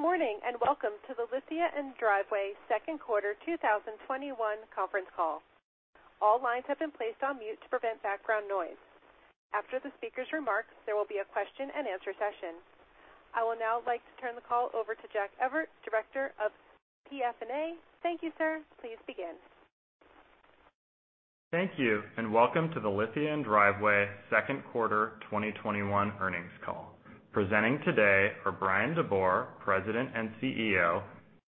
Good morning, welcome to the Lithia & Driveway Q2 2021 conference Call. All lines have been placed on mute to prevent background noise. After the speaker's remarks, there will be a question-and-answer session. I will now like to turn the call over to Jack Evert, Director of FP&A. Thank you, sir. Please begin. Thank you. Welcome to the Lithia & Driveway Q2 2021 Earnings Call. Presenting today are Bryan DeBoer, President and Chief Executive Officer,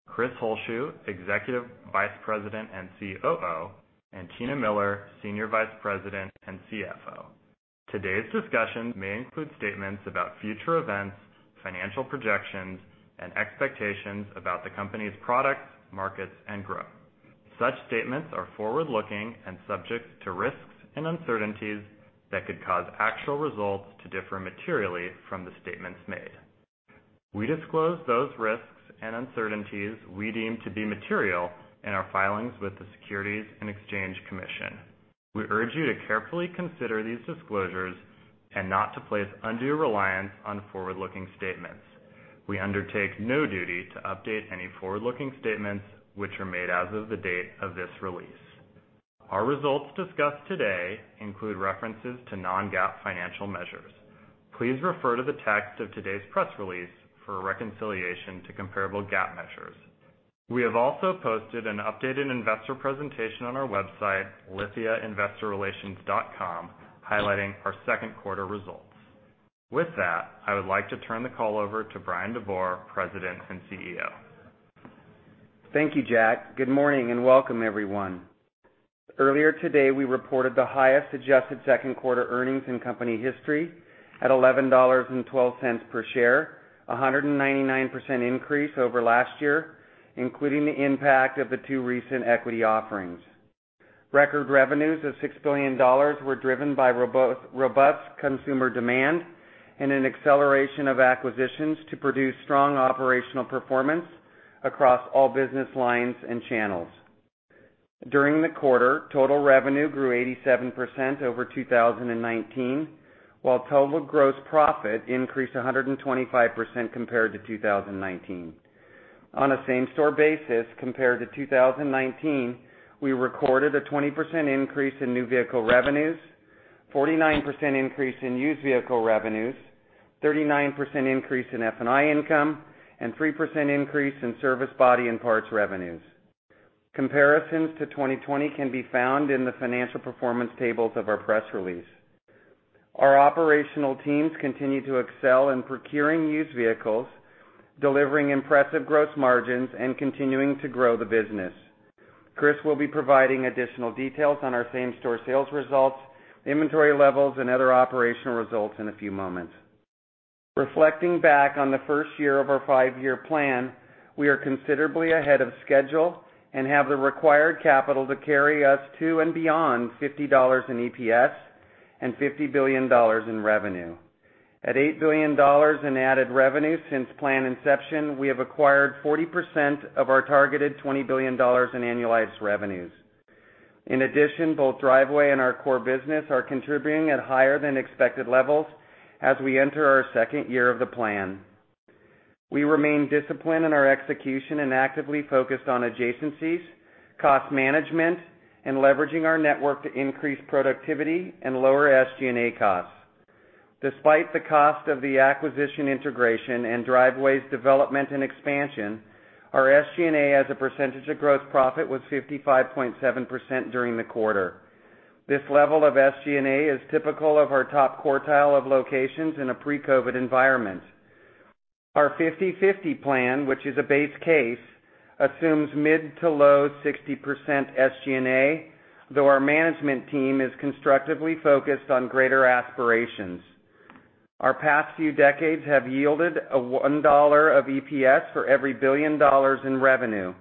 Chris Holzshu, Executive Vice President and Chief Operating Officer, and Tina Miller, Senior Vice President and Chief Financial Officer. Today's discussion may include statements about future events, financial projections, and expectations about the company's products, markets, and growth. Such statements are forward-looking and subject to risks and uncertainties that could cause actual results to differ materially from the statements made. We disclose those risks and uncertainties we deem to be material in our filings with the Securities and Exchange Commission. We urge you to carefully consider these disclosures and not to place undue reliance on forward-looking statements. We undertake no duty to update any forward-looking statements, which are made as of the date of this release. Our results discussed today include references to non-GAAP financial measures. Please refer to the text of today's press release for a reconciliation to comparable GAAP measures. We have also posted an updated investor presentation on our website, lithiainvestorrelations.com, highlighting our Q2 results. I would like to turn the call over to Bryan DeBoer, President and CEO. Thank you, Jack. Good morning, and welcome everyone. Earlier today, we reported the highest adjusted Q2 earnings in company history at $11.12 per share, a 199% increase over last year, including the impact of the two recent equity offerings. Record revenues of $6 billion were driven by robust consumer demand and an acceleration of acquisitions to produce strong operational performance across all business lines and channels. During the quarter, total revenue grew 87% over 2019, while total gross profit increased 125% compared to 2019. On a same-store basis compared to 2019, we recorded a 20% increase in new vehicle revenues, 49% increase in used vehicle revenues, 39% increase in F&I income, and 3% increase in service body and parts revenues. Comparisons to 2020 can be found in the financial performance tables of our press release. Our operational teams continue to excel in procuring used vehicles, delivering impressive gross margins, and continuing to grow the business. Chris will be providing additional details on our same-store sales results, inventory levels, and other operational results in a few moments. Reflecting back on the 1st year of our 5-year plan, we are considerably ahead of schedule and have the required capital to carry us to and beyond $50 in EPS and $50 billion in revenue. At $8 billion in added revenue since plan inception, we have acquired 40% of our targeted $20 billion in annualized revenues. In addition, both Driveway and our core business are contributing at higher than expected levels as we enter our 2nd year of the plan. We remain disciplined in our execution and actively focused on adjacencies, cost management, and leveraging our network to increase productivity and lower SG&A costs. Despite the cost of the acquisition integration and Driveway's development and expansion, our SG&A as a percentage of gross profit was 55.7% during the quarter. This level of SG&A is typical of our top quartile of locations in a pre-COVID environment. Our fifty/fifty plan, which is a base case, assumes mid to low 60% SG&A, though our management team is constructively focused on greater aspirations. Our past few decades have yielded a $1 of EPS for every $1 billion in revenue.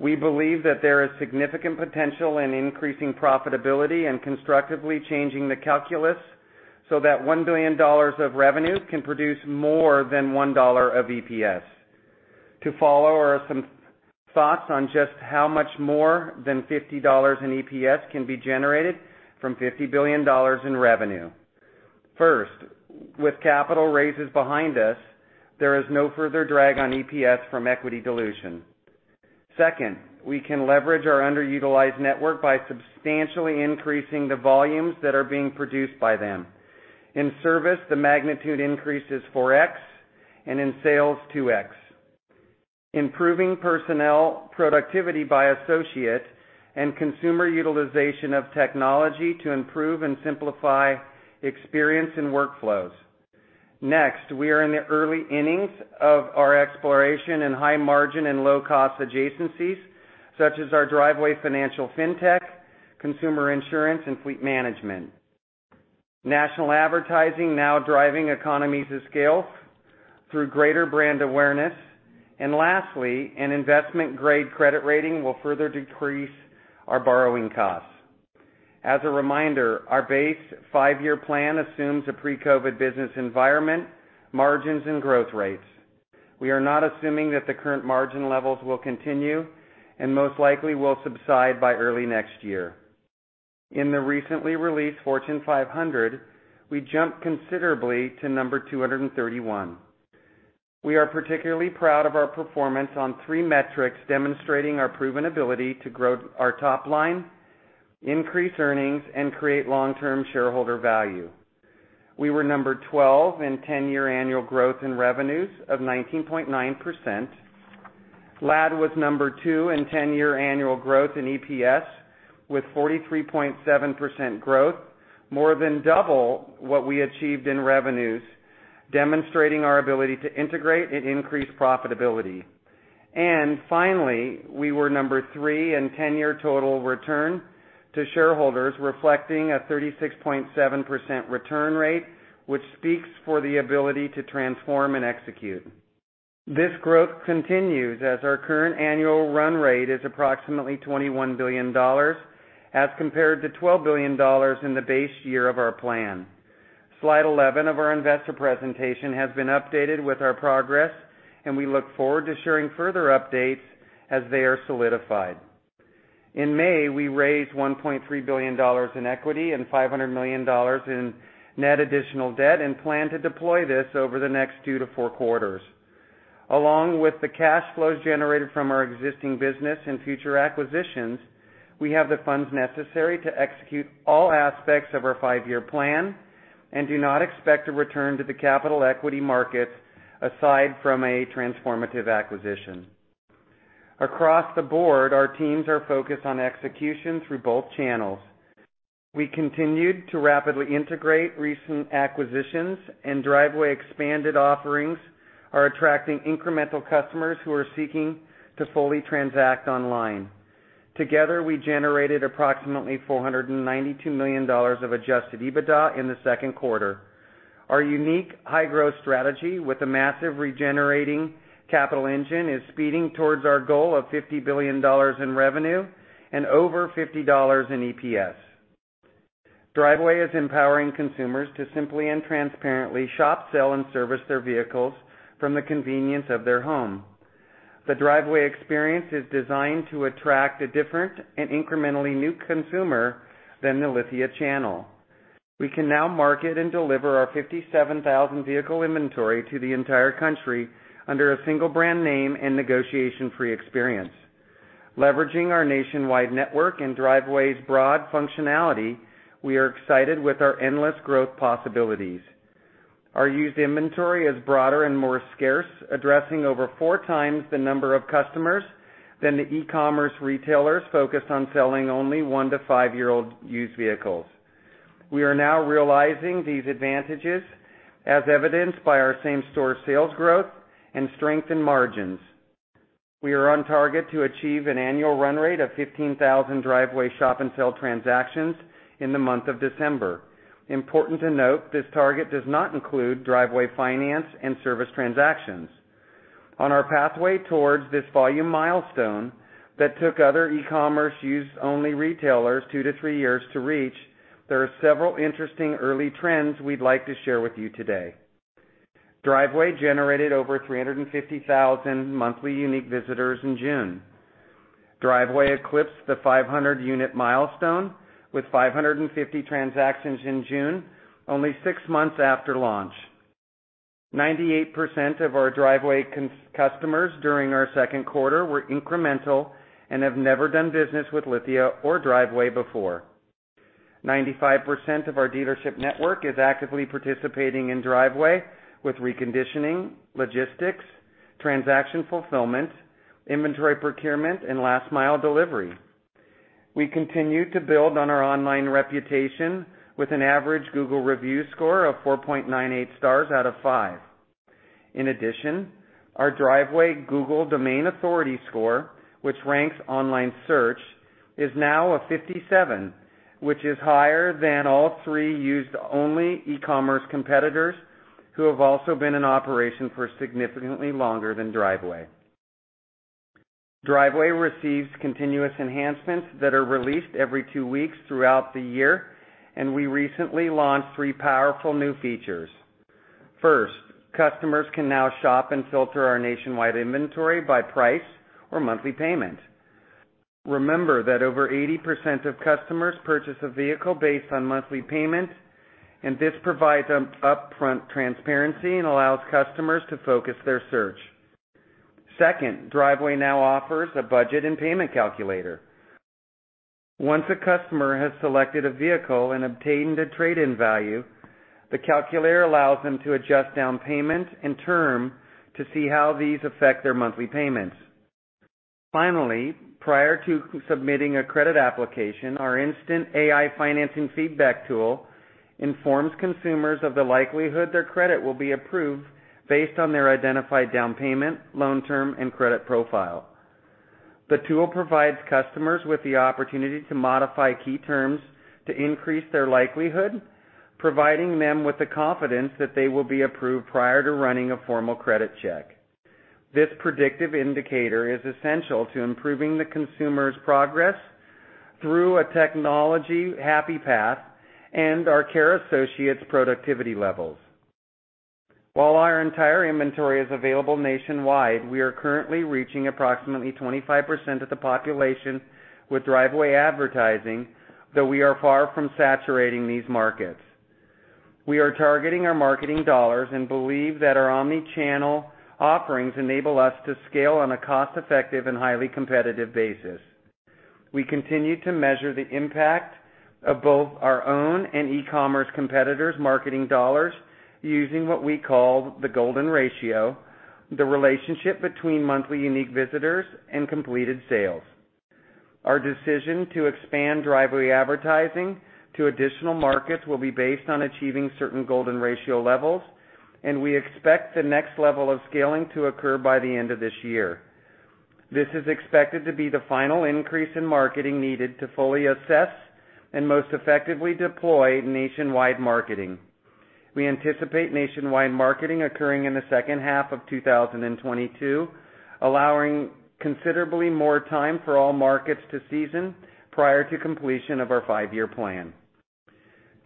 We believe that there is significant potential in increasing profitability and constructively changing the calculus so that $1 billion of revenue can produce more than $1 of EPS. To follow are some thoughts on just how much more than $50 in EPS can be generated from $50 billion in revenue. First, with capital raises behind us, there is no further drag on EPS from equity dilution. Second, we can leverage our underutilized network by substantially increasing the volumes that are being produced by them. In service, the magnitude increase is 4x, and in sales, 2x. Improving personnel productivity by associate and consumer utilization of technology to improve and simplify experience and workflows. Next, we are in the early innings of our exploration in high margin and low cost adjacencies such as our Driveway Financial Fintech, consumer insurance, and fleet management. National advertising now driving economies of scale through greater brand awareness. Lastly, an investment-grade credit rating will further decrease our borrowing costs. As a reminder, our base 5-year plan assumes a pre-COVID business environment, margins, and growth rates. We are not assuming that the current margin levels will continue and most likely will subside by early next year. In the recently released Fortune 500, we jumped considerably to number 231. We are particularly proud of our performance on three metrics demonstrating our proven ability to grow our top line, increase earnings, and create long-term shareholder value. We were number 12 in 10-year annual growth in revenues of 19.9%. LAD was number two in 10-year annual growth in EPS with 43.7% growth, more than double what we achieved in revenues, demonstrating our ability to integrate and increase profitability. Finally, we were number three in 10-year total return to shareholders reflecting a 36.7% return rate, which speaks for the ability to transform and execute. This growth continues as our current annual run rate is approximately $21 billion as compared to $12 billion in the base year of our plan. Slide 11 of our investor presentation has been updated with our progress, and we look forward to sharing further updates as they are solidified. In May, we raised $1.3 billion in equity and $500 million in net additional debt and plan to deploy this over the next two to four quarters. Along with the cash flows generated from our existing business and future acquisitions, we have the funds necessary to execute all aspects of our 5-year plan and do not expect to return to the capital equity markets aside from a transformative acquisition. Across the board, our teams are focused on execution through both channels. We continued to rapidly integrate recent acquisitions and Driveway expanded offerings are attracting incremental customers who are seeking to fully transact online. Together, we generated approximately $492 million of adjusted EBITDA in the Q2. Our unique high-growth strategy with a massive regenerating capital engine is speeding towards our goal of $50 billion in revenue and over $50 in EPS. Driveway is empowering consumers to simply and transparently shop, sell, and service their vehicles from the convenience of their home. The Driveway experience is designed to attract a different and incrementally new consumer than the Lithia channel. We can now market and deliver our 57,000 vehicle inventory to the entire country under a single brand name and negotiation-free experience. Leveraging our nationwide network and Driveway's broad functionality, we are excited with our endless growth possibilities. Our used inventory is broader and more scarce, addressing over 4x the number of customers than the e-commerce retailers focused on selling only one-to-five year old used vehicles. We are now realizing these advantages as evidenced by our same-store sales growth and strength in margins. We are on target to achieve an annual run rate of 15,000 Driveway shop and sell transactions in the month of December. Important to note, this target does not include Driveway Finance and service transactions. On our pathway towards this volume milestone that took other e-commerce used-only retailers two to three years to reach, there are several interesting early trends we'd like to share with you today. Driveway generated over 350,000 monthly unique visitors in June. Driveway eclipsed the 500 unit milestone with 550 transactions in June, only six months after launch. 98% of our Driveway customers during our Q2 were incremental and have never done business with Lithia or Driveway before. 95% of our dealership network is actively participating in Driveway with reconditioning, logistics, transaction fulfillment, inventory procurement, and last mile delivery. We continue to build on our online reputation with an average Google review score of 4.98 stars out of five. In addition, our Driveway Google domain authority score, which ranks online search, is now a 57, which is higher than all three used-only e-commerce competitors who have also been in operation for significantly longer than Driveway. Driveway receives continuous enhancements that are released every two weeks throughout the year, and we recently launched three powerful new features. First, customers can now shop and filter our nationwide inventory by price or monthly payment. Remember that over 80% of customers purchase a vehicle based on monthly payment, and this provides them upfront transparency and allows customers to focus their search. Second, Driveway now offers a budget and payment calculator. Once a customer has selected a vehicle and obtained a trade-in value, the calculator allows them to adjust down payment and term to see how these affect their monthly payments. Finally, prior to submitting a credit application, our instant AI financing feedback tool informs consumers of the likelihood their credit will be approved based on their identified down payment, loan term, and credit profile. The tool provides customers with the opportunity to modify key terms to increase their likelihood, providing them with the confidence that they will be approved prior to running a formal credit check. This predictive indicator is essential to improving the consumer's progress through a technology happy path and our care associates' productivity levels. While our entire inventory is available nationwide, we are currently reaching approximately 25% of the population with Driveway advertising, though we are far from saturating these markets. We are targeting our marketing dollars and believe that our omni-channel offerings enable us to scale on a cost-effective and highly competitive basis. We continue to measure the impact of both our own and e-commerce competitors' marketing dollars using what we call the golden ratio, the relationship between monthly unique visitors and completed sales. Our decision to expand Driveway advertising to additional markets will be based on achieving certain golden ratio levels, and we expect the next level of scaling to occur by the end of this year. This is expected to be the final increase in marketing needed to fully assess and most effectively deploy nationwide marketing. We anticipate nationwide marketing occurring in the second half of 2022, allowing considerably more time for all markets to season prior to completion of our five-year plan.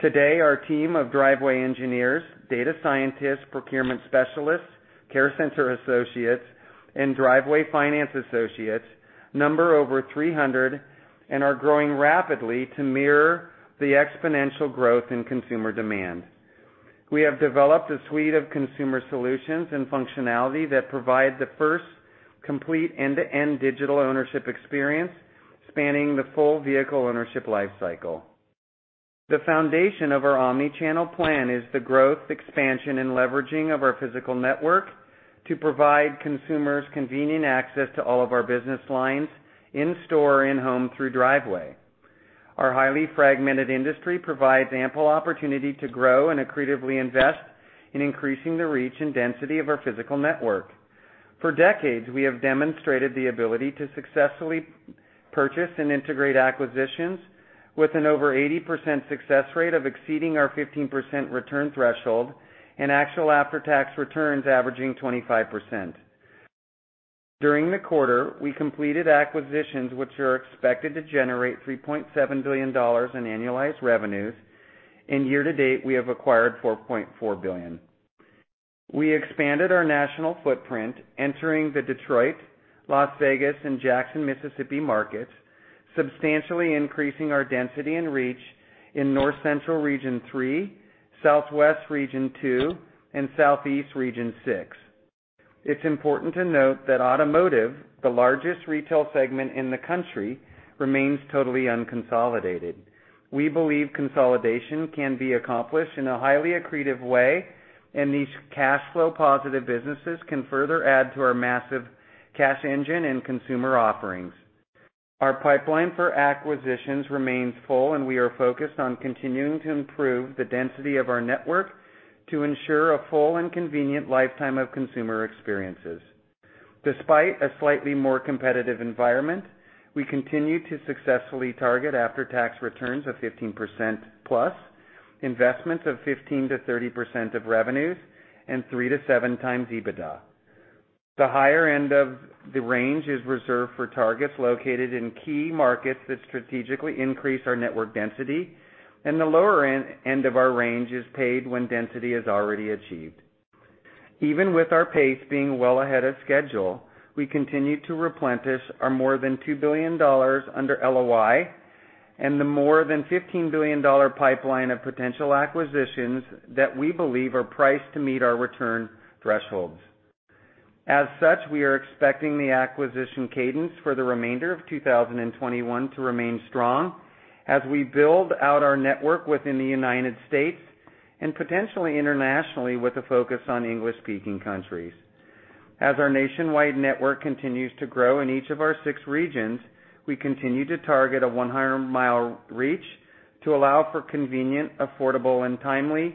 Today, our team of Driveway engineers, data scientists, procurement specialists, care center associates, and Driveway Finance associates number over 300 and are growing rapidly to mirror the exponential growth in consumer demand. We have developed a suite of consumer solutions and functionality that provide the first complete end-to-end digital ownership experience spanning the full vehicle ownership life cycle. The foundation of our omni-channel plan is the growth, expansion, and leveraging of our physical network to provide consumers convenient access to all of our business lines in-store and home through Driveway. Our highly fragmented industry provides ample opportunity to grow and accretively invest in increasing the reach and density of our physical network. For decades, we have demonstrated the ability to successfully purchase and integrate acquisitions with an over 80% success rate of exceeding our 15% return threshold and actual after-tax returns averaging 25%. During the quarter, we completed acquisitions which are expected to generate $3.7 billion in annualized revenues, and year-to-date, we have acquired $4.4 billion. We expanded our national footprint, entering the Detroit, Las Vegas, and Jackson, Mississippi markets, substantially increasing our density and reach in North Central Region three, Southwest Region two, and Southeast Region six. It's important to note that automotive, the largest retail segment in the country, remains totally unconsolidated. We believe consolidation can be accomplished in a highly accretive way, and these cash flow-positive businesses can further add to our massive cash engine and consumer offerings. Our pipeline for acquisitions remains full, and we are focused on continuing to improve the density of our network to ensure a full and convenient lifetime of consumer experiences. Despite a slightly more competitive environment, we continue to successfully target after-tax returns of 15%-plus, investments of 15%-30% of revenues, and 3-7 times EBITDA. The higher end of the range is reserved for targets located in key markets that strategically increase our network density, and the lower end of our range is paid when density is already achieved. Even with our pace being well ahead of schedule, we continue to replenish our more than $2 billion under LOI and the more than $15 billion pipeline of potential acquisitions that we believe are priced to meet our return thresholds. We are expecting the acquisition cadence for the remainder of 2021 to remain strong as we build out our network within the U.S. and potentially internationally with a focus on English-speaking countries. As our nationwide network continues to grow in each of our six regions, we continue to target a 100-mile reach to allow for convenient, affordable, and timely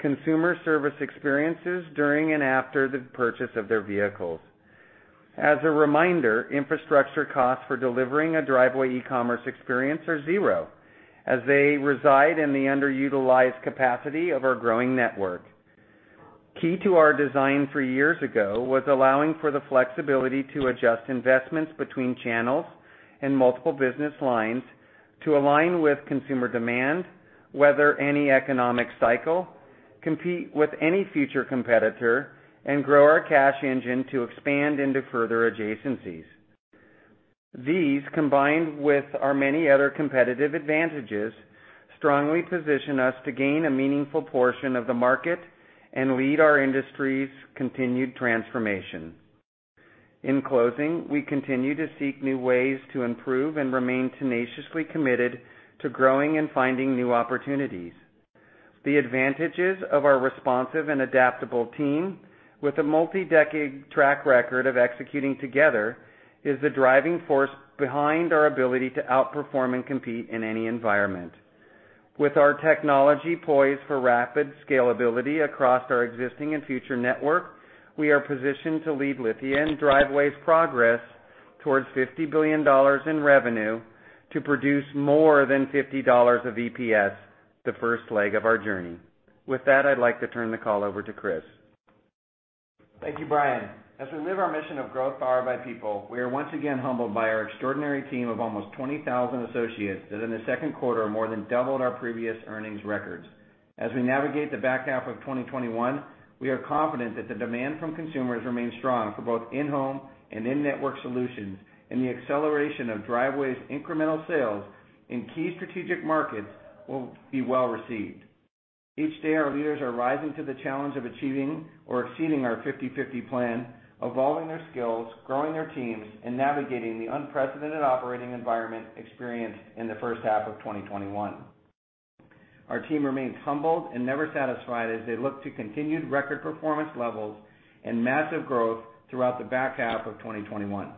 consumer service experiences during and after the purchase of their vehicles. As a reminder, infrastructure costs for delivering a Driveway e-commerce experience are zero, as they reside in the underutilized capacity of our growing network. Key to our design three years ago was allowing for the flexibility to adjust investments between channels and multiple business lines to align with consumer demand, weather any economic cycle, compete with any future competitor, and grow our cash engine to expand into further adjacencies. These, combined with our many other competitive advantages, strongly position us to gain a meaningful portion of the market and lead our industry's continued transformation. In closing, we continue to seek new ways to improve and remain tenaciously committed to growing and finding new opportunities. The advantages of our responsive and adaptable team with a multi-decade track record of executing together is the driving force behind our ability to outperform and compete in any environment. With our technology poised for rapid scalability across our existing and future network, we are positioned to lead Lithia & Driveway's progress towards $50 billion in revenue to produce more than $50 of EPS, the first leg of our journey. With that, I'd like to turn the call over to Chris. Thank you, Bryan. As we live our mission of growth powered by people, we are once again humbled by our extraordinary team of almost 20,000 associates that in the Q2 more than doubled our previous earnings records. As we navigate the back half of 2021, we are confident that the demand from consumers remains strong for both in-home and in-network solutions, and the acceleration of Driveway's incremental sales in key strategic markets will be well received. Each day, our leaders are rising to the challenge of achieving or exceeding our fifty-fifty plan, evolving their skills, growing their teams, and navigating the unprecedented operating environment experienced in the first half of 2021. Our team remains humbled and never satisfied as they look to continued record performance levels and massive growth throughout the back half of 2021.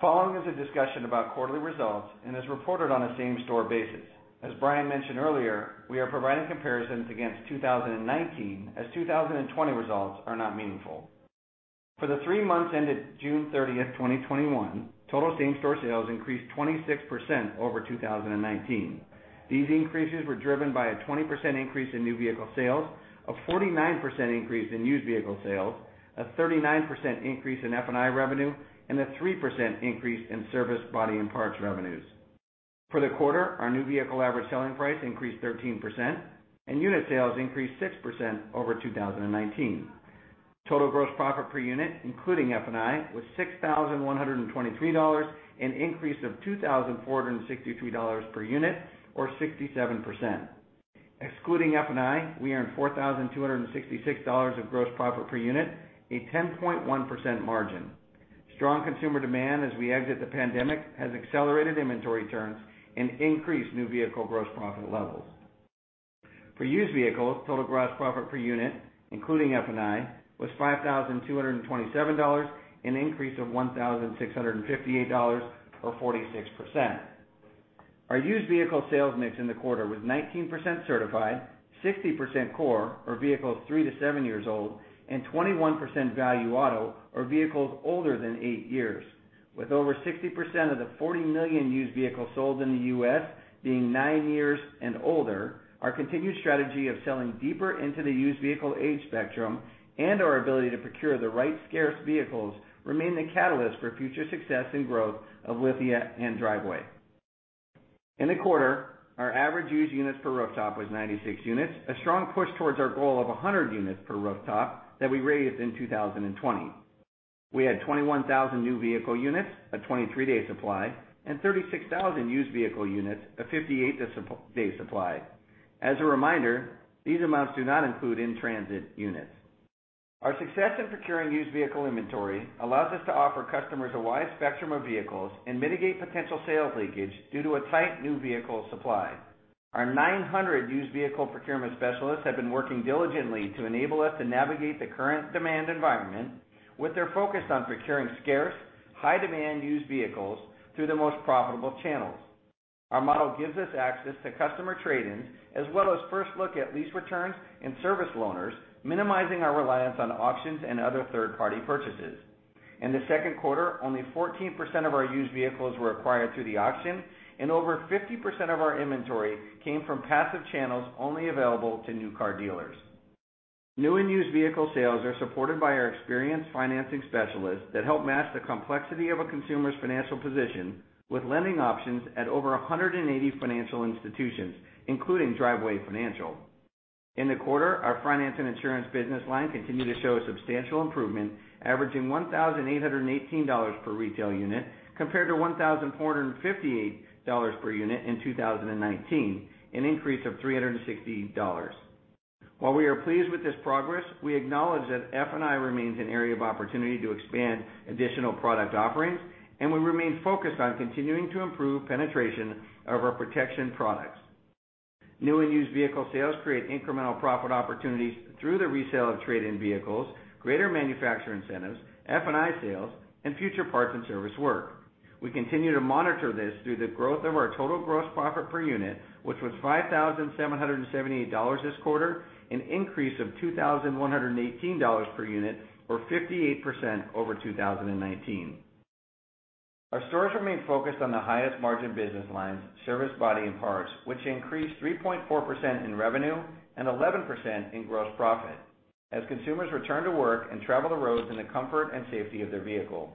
Following is a discussion about quarterly results and is reported on a same-store basis. As Bryan mentioned earlier, we are providing comparisons against 2019, as 2020 results are not meaningful. For the three months ended June 30, 2021, total same-store sales increased 26% over 2019. These increases were driven by a 20% increase in new vehicle sales, a 49% increase in used vehicle sales, a 39% increase in F&I revenue, and a 3% increase in service body and parts revenues. For the quarter, our new vehicle average selling price increased 13% and unit sales increased 6% over 2019. Total gross profit per unit, including F&I, was $6,123, an increase of $2,463 per unit, or 67%. Excluding F&I, we earned $4,266 of gross profit per unit, a 10.1% margin. Strong consumer demand as we exit the pandemic has accelerated inventory turns and increased new vehicle gross profit levels. For used vehicles, total gross profit per unit, including F&I, was $5,227, an increase of $1,658, or 46%. Our used vehicle sales mix in the quarter was 19% certified, 60% core, or vehicles three to seven years old, and 21% Value Auto, or vehicles older than eight years years. With over 60% of the 40 million used vehicles sold in the U.S. being nine years and older, our continued strategy of selling deeper into the used vehicle age spectrum and our ability to procure the right scarce vehicles remain the catalyst for future success and growth of Lithia & Driveway. In the quarter, our average used units per rooftop was 96 units, a strong push towards our goal of 100 units per rooftop that we raised in 2020. We had 21,000 new vehicle units, a 23-day supply, and 36,000 used vehicle units, a 58-day supply. As a reminder, these amounts do not include in-transit units. Our success in procuring used vehicle inventory allows us to offer customers a wide spectrum of vehicles and mitigate potential sales leakage due to a tight new vehicle supply. Our 900 used vehicle procurement specialists have been working diligently to enable us to navigate the current demand environment with their focus on procuring scarce, high-demand used vehicles through the most profitable channels. Our model gives us access to customer trade-ins as well as first look at lease returns and service loaners, minimizing our reliance on auctions and other third-party purchases. In the Q2, only 14% of our used vehicles were acquired through the auction, and over 50% of our inventory came from passive channels only available to new car dealers. New and used vehicle sales are supported by our experienced financing specialists that help match the complexity of a consumer's financial position with lending options at over 180 financial institutions, including Driveway Financial. In the quarter, our finance and insurance business line continued to show a substantial improvement, averaging $1,818 per retail unit compared to $1,458 per unit in 2019, an increase of $360. While we are pleased with this progress, we acknowledge that F&I remains an area of opportunity to expand additional product offerings, and we remain focused on continuing to improve penetration of our protection products. New and used vehicle sales create incremental profit opportunities through the resale of trade-in vehicles, greater manufacturer incentives, F&I sales, and future parts and service work. We continue to monitor this through the growth of our total gross profit per unit, which was $5,778 this quarter, an increase of $2,118 per unit, or 58% over 2019. Our stores remain focused on the highest margin business lines, service body and parts, which increased 3.4% in revenue and 11% in gross profit as consumers return to work and travel the roads in the comfort and safety of their vehicle.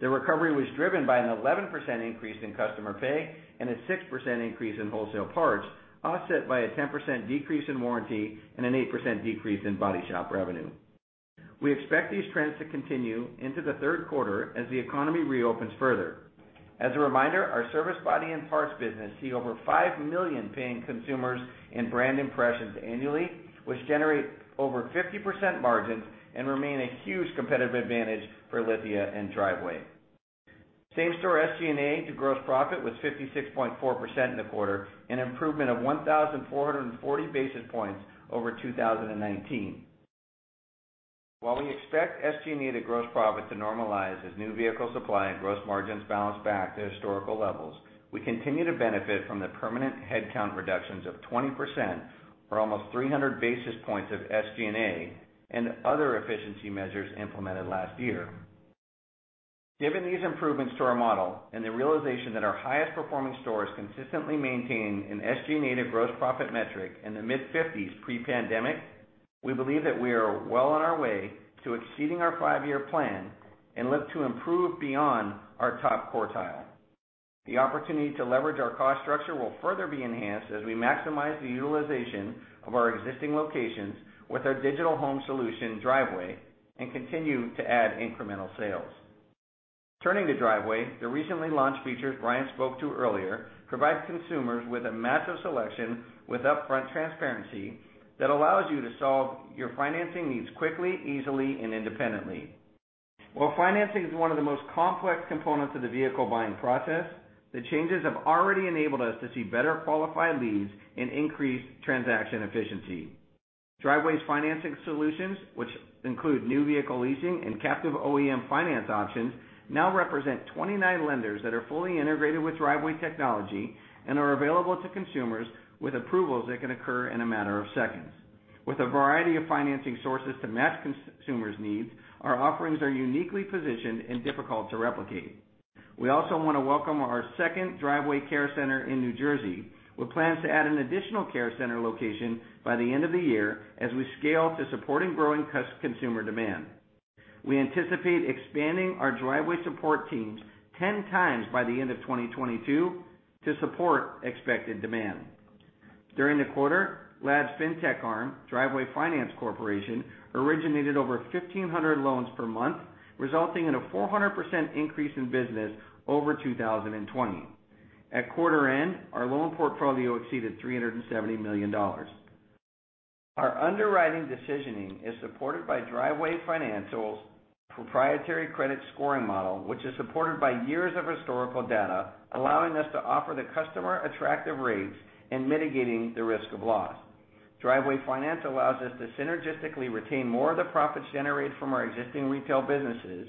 The recovery was driven by an 11% increase in customer pay and a 6% increase in wholesale parts, offset by a 10% decrease in warranty and an 8% decrease in body shop revenue. We expect these trends to continue into the 3rd quarter as the economy reopens further. As a reminder, our service body and parts business see over 5 million paying consumers and brand impressions annually, which generate over 50% margins and remain a huge competitive advantage for Lithia & Driveway. Same store SG&A to gross profit was 56.4% in the quarter, an improvement of 1,440 basis points over 2019. While we expect SG&A to gross profit to normalize as new vehicle supply and gross margins balance back to historical levels, we continue to benefit from the permanent headcount reductions of 20% or almost 300 basis points of SG&A and other efficiency measures implemented last year. Given these improvements to our model and the realization that our highest performing stores consistently maintain an SG&A to gross profit metric in the mid-50s pre-pandemic, we believe that we are well on our way to exceeding our 5-year plan and look to improve beyond our top quartile. The opportunity to leverage our cost structure will further be enhanced as we maximize the utilization of our existing locations with our digital home solution Driveway, and continue to add incremental sales. Turning to Driveway, the recently launched features Bryan spoke to earlier provide consumers with a massive selection with upfront transparency that allows you to solve your financing needs quickly, easily and independently. While financing is one of the most complex components of the vehicle buying process, the changes have already enabled us to see better qualified leads and increased transaction efficiency. Driveway's financing solutions, which include new vehicle leasing and captive OEM finance options, now represent 29 lenders that are fully integrated with Driveway technology and are available to consumers with approvals that can occur in a matter of seconds. With a variety of financing sources to match consumers' needs, our offerings are uniquely positioned and difficult to replicate. We also want to welcome our second Driveway care center in New Jersey. We plan to add an additional care center location by the end of the year as we scale to supporting growing consumer demand. We anticipate expanding our Driveway support teams 10 times by the end of 2022 to support expected demand. During the quarter, LAD's fintech arm, Driveway Finance Corporation, originated over 1,500 loans per month, resulting in a 400% increase in business over 2020. At quarter end, our loan portfolio exceeded $370 million. Our underwriting decisioning is supported by Driveway Finance's proprietary credit scoring model, which is supported by years of historical data, allowing us to offer the customer attractive rates and mitigating the risk of loss. Driveway Finance allows us to synergistically retain more of the profits generated from our existing retail businesses,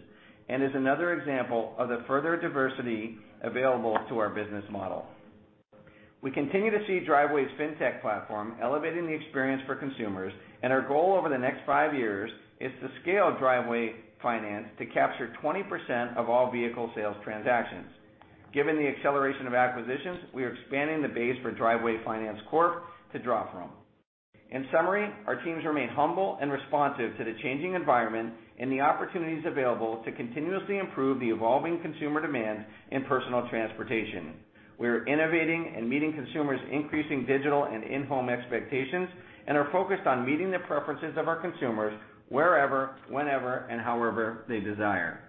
is another example of the further diversity available to our business model. We continue to see Driveway's Fintech platform elevating the experience for consumers, and our goal over the next five years is to scale Driveway Finance to capture 20% of all vehicle sales transactions. Given the acceleration of acquisitions, we are expanding the base for Driveway Finance Corp to draw from. In summary, our teams remain humble and responsive to the changing environment and the opportunities available to continuously improve the evolving consumer demand in personal transportation. We are innovating and meeting consumers' increasing digital and in-home expectations, and are focused on meeting the preferences of our consumers wherever, whenever and however they desire.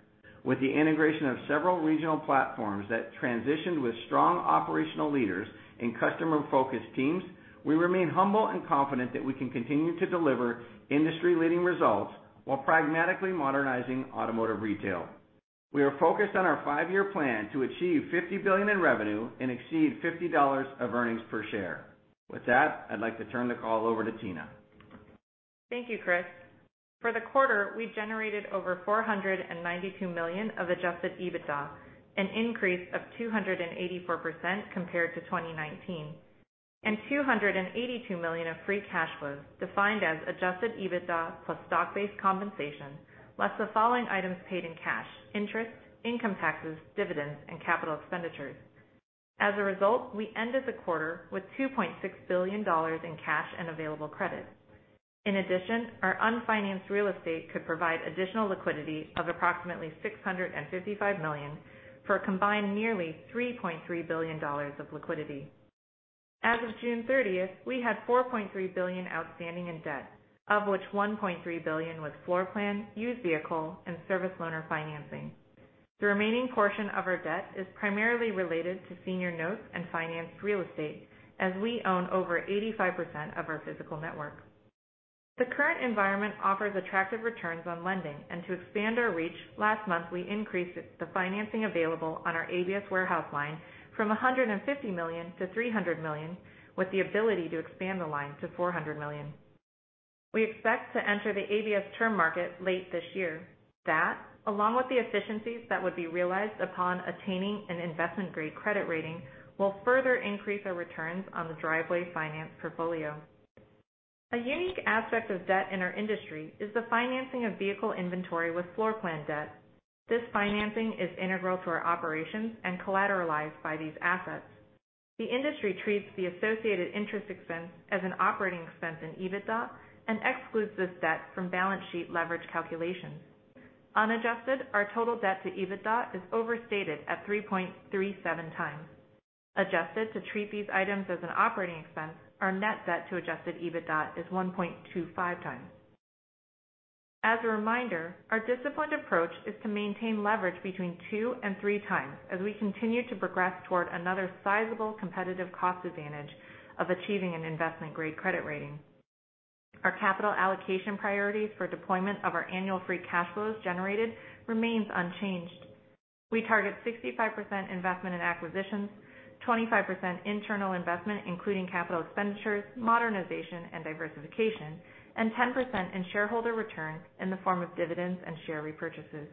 With the integration of several regional platforms that transitioned with strong operational leaders and customer-focused teams, we remain humble and confident that we can continue to deliver industry-leading results while pragmatically modernizing automotive retail. We are focused on our five-year plan to achieve $50 billion in revenue and exceed $50 of earnings per share. With that, I'd like to turn the call over to Tina. Thank you, Chris. For the quarter, we generated over $492 million of adjusted EBITDA, an increase of 284% compared to 2019, and $282 million of free cash flows, defined as adjusted EBITDA plus stock-based compensation, less the following items paid in cash: interest, income taxes, dividends and capital expenditures. As a result, we ended the quarter with $2.6 billion in cash and available credit. In addition, our unfinanced real estate could provide additional liquidity of approximately $655 million for a combined nearly $3.3 billion of liquidity. As of June 30th, we had $4.3 billion outstanding in debt, of which $1.3 billion was floor plan, used vehicle and service loaner financing. The remaining portion of our debt is primarily related to senior notes and financed real estate, as we own over 85% of our physical network. The current environment offers attractive returns on lending, and to expand our reach, last month we increased the financing available on our ABS warehouse line from $150 million to $300 million, with the ability to expand the line to $400 million. We expect to enter the ABS term market late this year. That, along with the efficiencies that would be realized upon attaining an investment-grade credit rating, will further increase our returns on the Driveway Finance portfolio. A unique aspect of debt in our industry is the financing of vehicle inventory with floor plan debt. This financing is integral to our operations and collateralized by these assets. The industry treats the associated interest expense as an operating expense in EBITDA and excludes this debt from balance sheet leverage calculations. Unadjusted, our total debt to EBITDA is overstated at 3.37 times. Adjusted to treat these items as an operating expense, our net debt to adjusted EBITDA is 1.25 times. As a reminder, our disciplined approach is to maintain leverage between two and three times as we continue to progress toward another sizable competitive cost advantage of achieving an investment-grade credit rating. Our capital allocation priorities for deployment of our annual free cash flows generated remains unchanged. We target 65% investment in acquisitions, 25% internal investment, including capital expenditures, modernization and diversification, and 10% in shareholder returns in the form of dividends and share repurchases.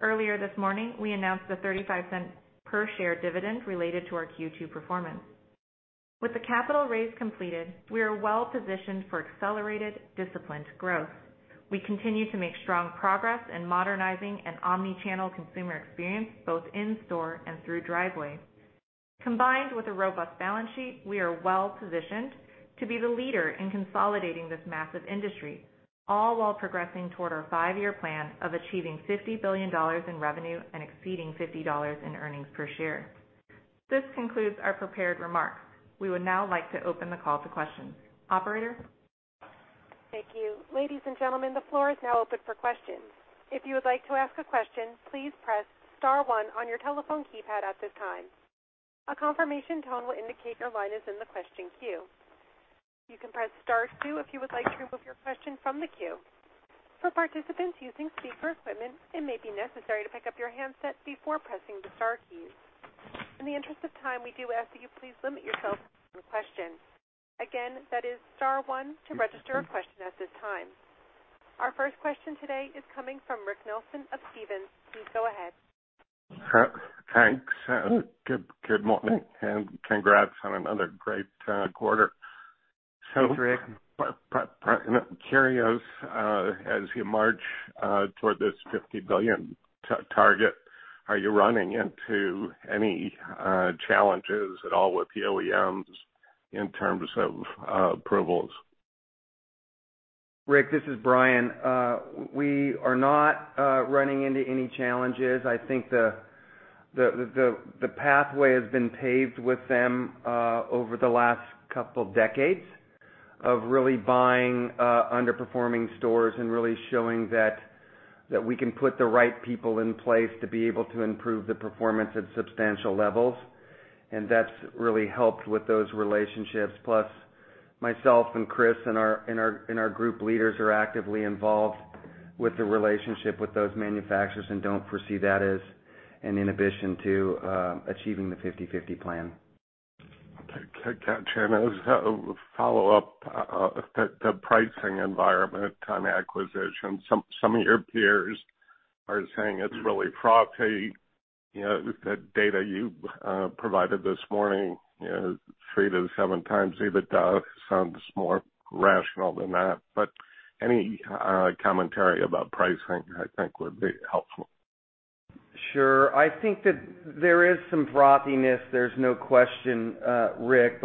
Earlier this morning, we announced a $0.35 per share dividend related to our Q2 performance. With the capital raise completed, we are well positioned for accelerated disciplined growth. We continue to make strong progress in modernizing an omni-channel consumer experience, both in store and through Driveway. Combined with a robust balance sheet, we are well-positioned to be the leader in consolidating this massive industry, all while progressing toward our 5-year plan of achieving $50 billion in revenue and exceeding $50 in earnings per share. This concludes our prepared remarks. We would now like to open the call to questions. Operator? Thank you. Ladies and gentlemen, the floor is now open for questions. If you would like to ask a question, please press star one on your telephone keypad at this time. A confirmation tone will indicate your line is in the question queue. You can press star 2 if you would like to remove your question from the queue. For participants using speaker equipment, it may be necessary to pick up your handset before pressing the star keys. In the interest of time, we do ask that you please limit yourself to one question. Again, that is star one to register a question at this time. Our first question today is coming from Rick Nelson of Stephens. Please go ahead. Thanks. Good morning and congrats on another great quarter. Thanks, Rick. Curious, as you march toward this $50 billion target, are you running into any challenges at all with the OEMs in terms of approvals? Rick, this is Bryan. We are not running into any challenges. The pathway has been paved with them over the last couple decades of really buying underperforming stores and really showing that we can put the right people in place to be able to improve the performance at substantial levels. That's really helped with those relationships. Plus, myself and Chris and our group leaders are actively involved with the relationship with those manufacturers and don't foresee that as an inhibition to achieving the fifty/fifty plan. Okay. Can I just follow up the pricing environment on acquisitions. Some of your peers are saying it's really frothy. The data you provided this morning, 3 to 7x EBITDA sounds more rational than that. Any commentary about pricing would be helpful. Sure. That there is some frothiness, there's no question, Rick.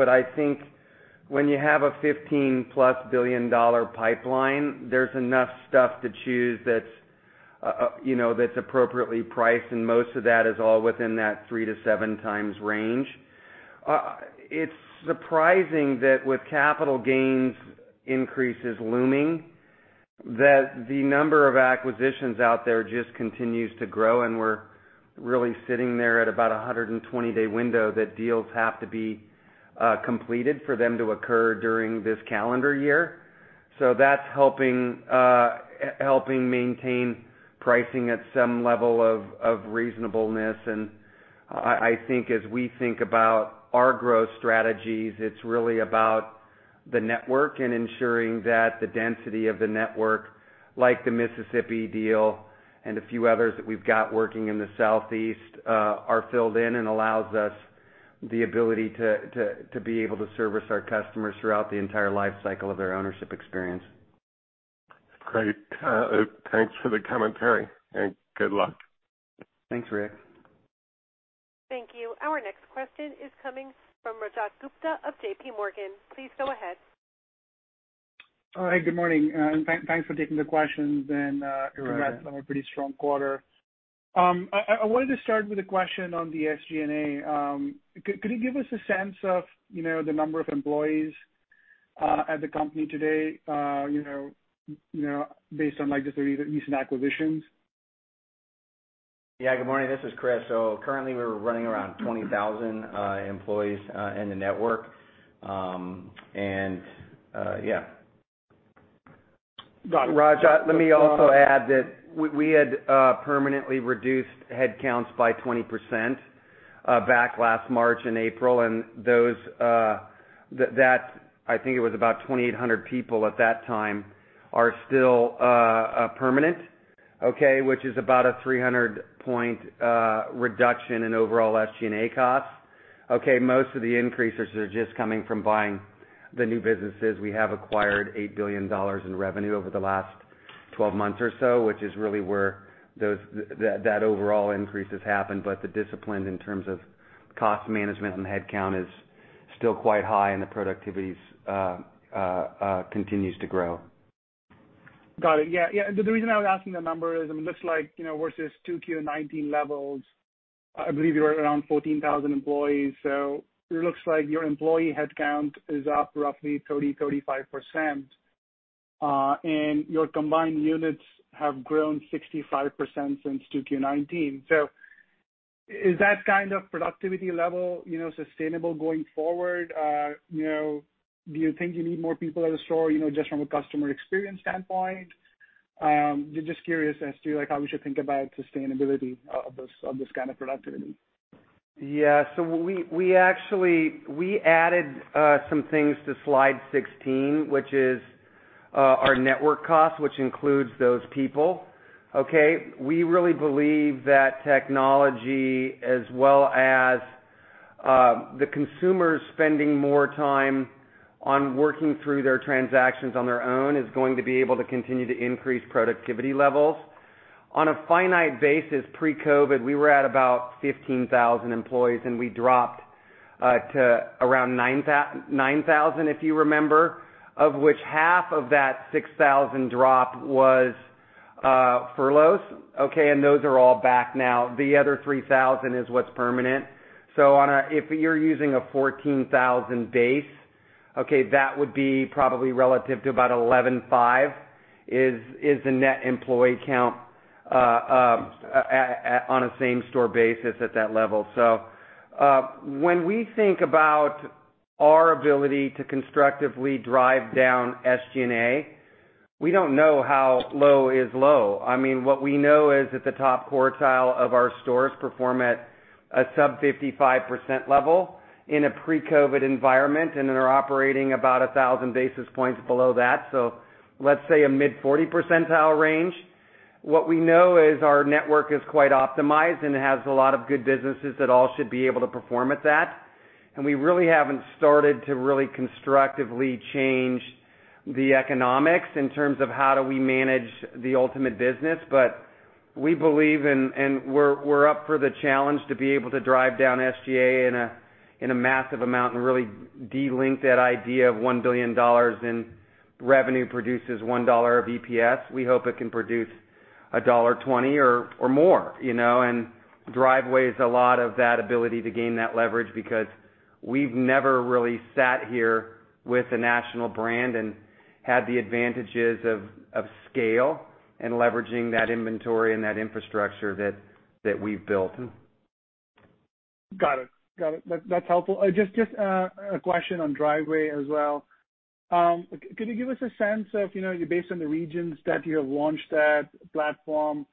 When you have a $15-plus billion pipeline, there's enough stuff to choose that's appropriately priced, and most of that is all within that 3 to 7x range. It's surprising that with capital gains increases looming, that the number of acquisitions out there just continues to grow, and we're really sitting there at about a 120-day window that deals have to be completed for them to occur during this calendar year. That's helping maintain pricing at some level of reasonableness. As we think about our growth strategies, it's really about the network and ensuring that the density of the network, like the Mississippi deal and a few others that we've got working in the southeast, are filled in and allows us the ability to be able to service our customers throughout the entire life cycle of their ownership experience. Great. Thanks for the commentary, and good luck. Thanks, Rick. Thank you. Our next question is coming from Rajat Gupta of JPMorgan. Please go ahead. Hi, good morning, and thanks for taking the questions. You're welcome. congrats on a pretty strong quarter. I wanted to start with a question on the SG&A. Could you give us a sense of, the number of employees at the company today, based on like the recent acquisitions? Yeah. Good morning. This is Chris. Currently, we're running around 20,000 employees in the network. Yeah. Rajat, let me also add that we had permanently reduced headcounts by 20% back last March and April, and those, that it was about 2,800 people at that time, are still permanent, okay, which is about a 300 point reduction in overall SG&A costs. Okay. Most of the increases are just coming from buying the new businesses. We have acquired $8 billion in revenue over the last 12 months or so, which is really where those that overall increase has happened. The discipline in terms of cost management and headcount is still quite high, and the productivities continues to grow. Got it. Yeah. The reason I was asking the number is, I mean, looks like versus 2Q 2019 levels, I believe you were around 14,000 employees. It looks like your employee headcount is up roughly 30%-35%. Your combined units have grown 65% since 2Q 2019. Is that kind of productivity level sustainable going forward? Do you think you need more people at a store just from a customer experience standpoint? Just curious as to, like, how we should think about sustainability of this, of this kind of productivity. Yeah. We actually added some things to slide 16, which is our network costs, which includes those people, okay. We really believe that technology as well as the consumers spending more time on working through their transactions on their own is going to be able to continue to increase productivity levels. On a finite basis, pre-COVID, we were at about 15,000 employees, and we dropped to around 9,000, if you remember, of which half of that 6,000 drop was furloughs, okay, and those are all back now. The other 3,000 is what's permanent. On a if you're using a 14,000 base, okay, that would be probably relative to about 11,500 is the net employee count at on a same store basis at that level. When we think about our ability to constructively drive down SG&A, we don't know how low is low. I mean, what we know is that the top quartile of our stores perform at a sub 55% level in a pre-COVID environment, and they're operating about 1,000 basis points below that, so let's say a mid-40% range. What we know is our network is quite optimized and has a lot of good businesses that all should be able to perform at that, and we really haven't started to really constructively change the economics in terms of how do we manage the ultimate business. We believe in and we're up for the challenge to be able to drive down SG&A in a massive amount and really de-link that idea of $1 billion in revenue produces $1 of EPS. We hope it can produce $1.20 or more and Driveway has a lot of that ability to gain that leverage because we've never really sat here with a national brand and had the advantages of scale and leveraging that inventory and that infrastructure that we've built. Got it. That's helpful. Just a question on Driveway as well. Could you give us a sense of based on the regions that you have launched that platform,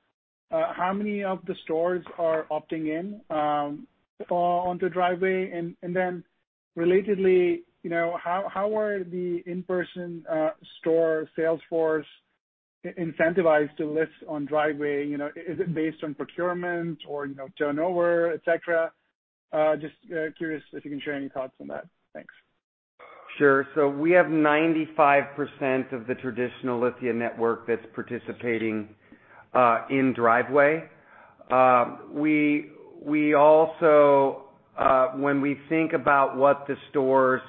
how many of the stores are opting in onto Driveway? Relatedly, how are the in-person store sales force incentivized to list on Driveway? Is it based on procurement or turnover, et cetera? Just curious if you can share any thoughts on that. Thanks. Sure. We have 95% of the traditional Lithia network that's participating in Driveway. We also, when we think about what the store's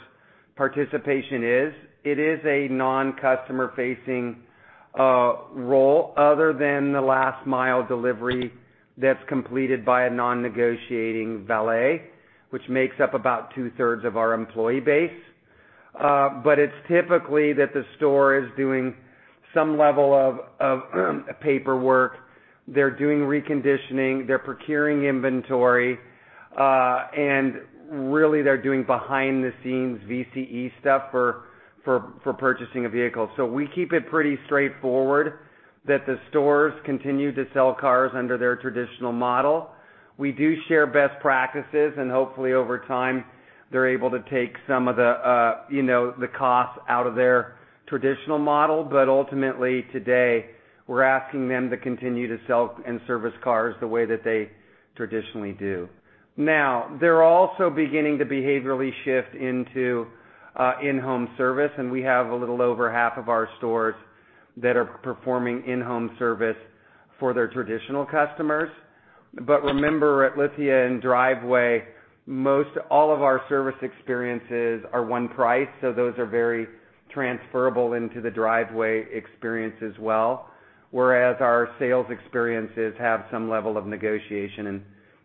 participation is, it is a non-customer facing role other than the last mile delivery that's completed by a non-negotiating valet, which makes up about two-thirds of our employee base. It's typically that the store is doing some level of paperwork. They're doing reconditioning, they're procuring inventory, really they're doing behind the scenes VSC stuff for purchasing a vehicle. We keep it pretty straightforward that the stores continue to sell cars under their traditional model. We do share best practices, hopefully, over time, they're able to take some of the costs out of their traditional model. Ultimately, today, we're asking them to continue to sell and service cars the way that they traditionally do. Now, they're also beginning to behaviorally shift into in-home service, and we have a little over half of our stores that are performing in-home service for their traditional customers. Remember, at Lithia & Driveway, most all of our service experiences are one price, so those are very transferable into the Driveway experience as well. Whereas our sales experiences have some level of negotiation, and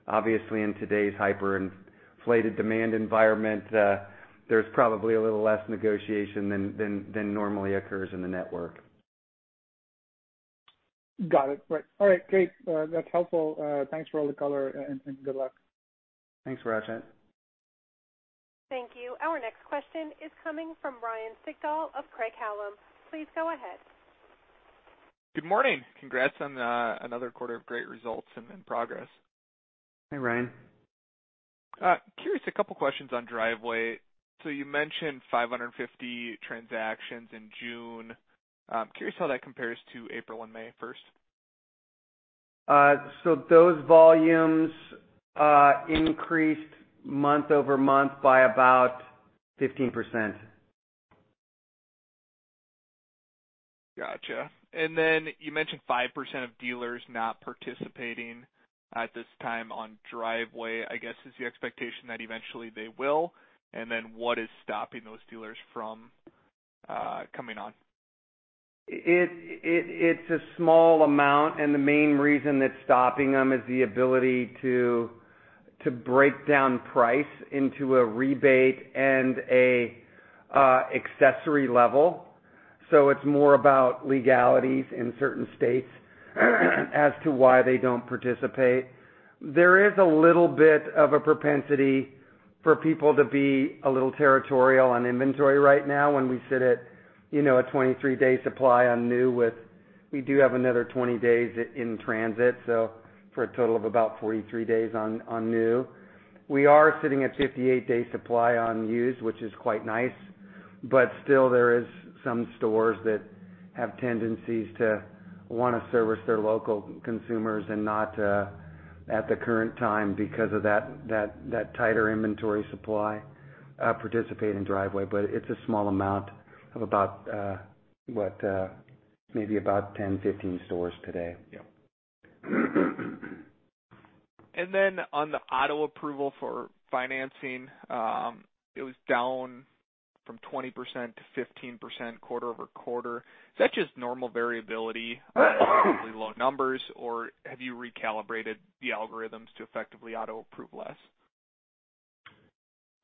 obviously in today's hyperinflated demand environment, there's probably a little less negotiation than normally occurs in the network. Got it. Right. All right, great. That's helpful. Thanks for all the color and good luck. Thanks, Rajat. Thank you. Our next question is coming from Ryan Sigdahl of Craig-Hallum. Please go ahead. Good morning. Congrats on another quarter of great results and progress. Hey, Ryan. Curious, a couple questions on Driveway. You mentioned 550 transactions in June. Curious how that compares to April and May 1st. Those volumes increased month-over-month by about 15%. Gotcha. You mentioned 5% of dealers not participating at this time on Driveway. I guess, is the expectation that eventually they will? What is stopping those dealers from coming on? It's a small amount. The main reason it's stopping them is the ability to break down price into a rebate and a accessory level. It's more about legalities in certain states, as to why they don't participate. There is a little bit of a propensity for people to be a little territorial on inventory right now when we sit at a 23-day supply on new. We do have another 20 days in transit, so for a total of about 43 days on new. We are sitting at 58-day supply on used, which is quite nice. Still there is some stores that have tendencies to wanna service their local consumers and not, at the current time because of that tighter inventory supply, participate in Driveway. It's a small amount of about, maybe about 10, 15 stores today. Yeah. On the auto approval for financing, it was down from 20% to 15% quarter-over-quarter. Is that just normal variability, low numbers, or have you recalibrated the algorithms to effectively auto-approve less?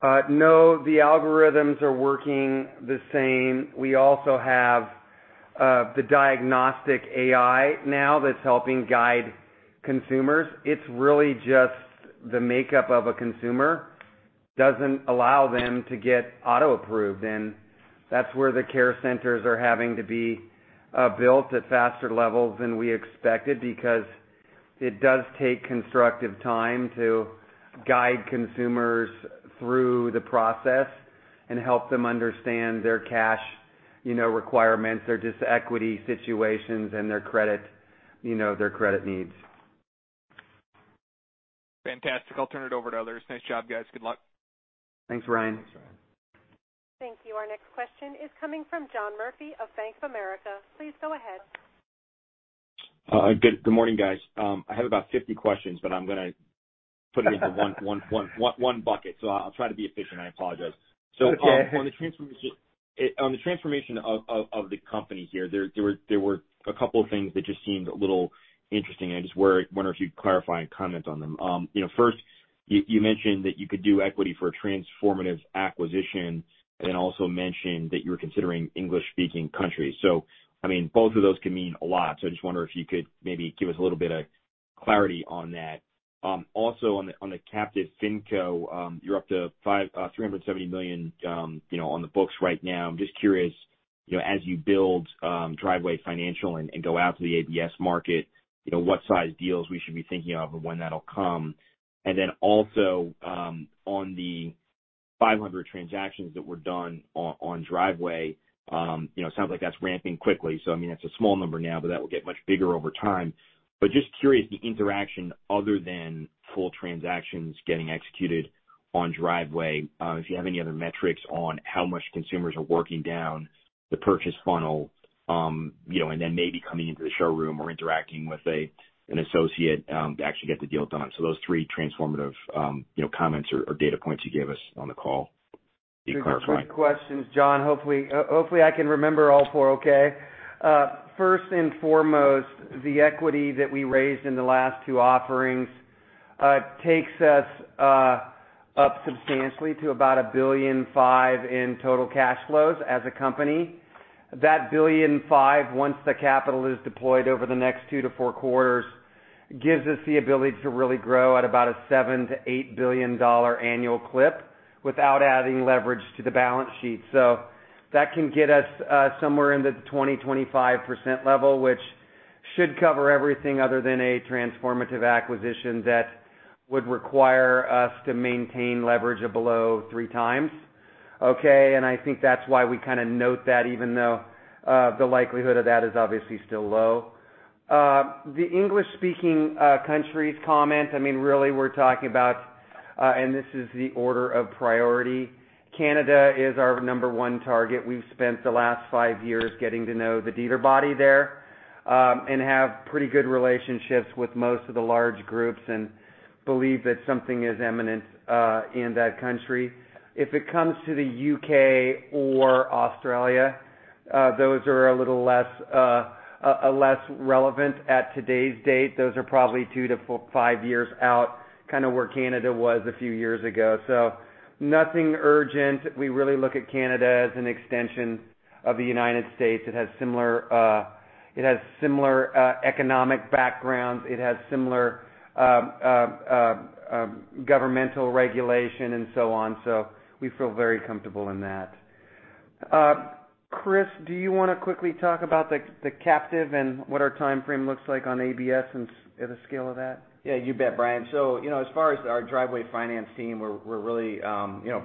No, the algorithms are working the same. We also have the diagnostic AI now that's helping guide consumers. It's really just the makeup of a consumer doesn't allow them to get auto-approved, and that's where the care centers are having to be built at faster levels than we expected because it does take constructive time to guide consumers through the process and help them understand their cash requirements, their just equity situations and their credit needs. Fantastic. I'll turn it over to others. Nice job, guys. Good luck. Thanks, Ryan. Thanks, Ryan. Thank you. Our next question is coming from John Murphy of Bank of America. Please go ahead. Good morning, guys. I have about 50 questions, but I'm gonna put them into one bucket, so I'll try to be efficient, I apologize. That's okay. On the transformation of the company here, there were a couple things that just seemed a little interesting, and I just wonder if you'd clarify and comment on them. First, you mentioned that you could do equity for a transformative acquisition and then also mentioned that you were considering English-speaking countries. I mean, both of those can mean a lot. I just wonder if you could maybe give us a little bit of clarity on that. Also on the captive finco, you're up to $370 million on the books right now. I'm just curious, as you build Driveway Financial and go out to the ABS market, what size deals we should be thinking of and when that'll come. On the 500 transactions that were done on Driveway, it sounds like that's ramping quickly. I mean, that's a small number now, but that will get much bigger over time. Just curious, the interaction other than full transactions getting executed on Driveway, if you have any other metrics on how much consumers are working down the purchase funnel, and then maybe coming into the showroom or interacting with an associate to actually get the deal done. Those three transformative comments or data points you gave us on the call, any clarity? Those are good questions, John. Hopefully, hopefully, I can remember all four, okay? First and foremost, the equity that we raised in the last two offerings, takes us up substantially to about $1.5 billion in total cash flows as a company. That $1.5 billion, once the capital is deployed over the next two to four quarters, gives us the ability to really grow at about a $7 billion-$8 billion annual clip without adding leverage to the balance sheet. That can get us somewhere in the 20%-25% level, which should cover everything other than a transformative acquisition that would require us to maintain leverage of below three times. Okay. That's why we kinda note that even though the likelihood of that is obviously still low. The English-speaking countries comment, I mean, really we're talking about, this is the order of priority. Canada is our number one target. We've spent the last five years getting to know the dealer body there, and have pretty good relationships with most of the large groups and believe that something is imminent in that country. If it comes to the U.K. or Australia, those are a little less, less relevant at today's date. Those are probably two to five years out, kinda where Canada was a few years ago. Nothing urgent. We really look at Canada as an extension of the United States. It has similar economic backgrounds. It has similar governmental regulation and so on. We feel very comfortable in that. Chris, do you wanna quickly talk about the captive and what our timeframe looks like on ABS and the scale of that? Yeah, you bet, Bryan. As far as our Driveway Finance team, we're really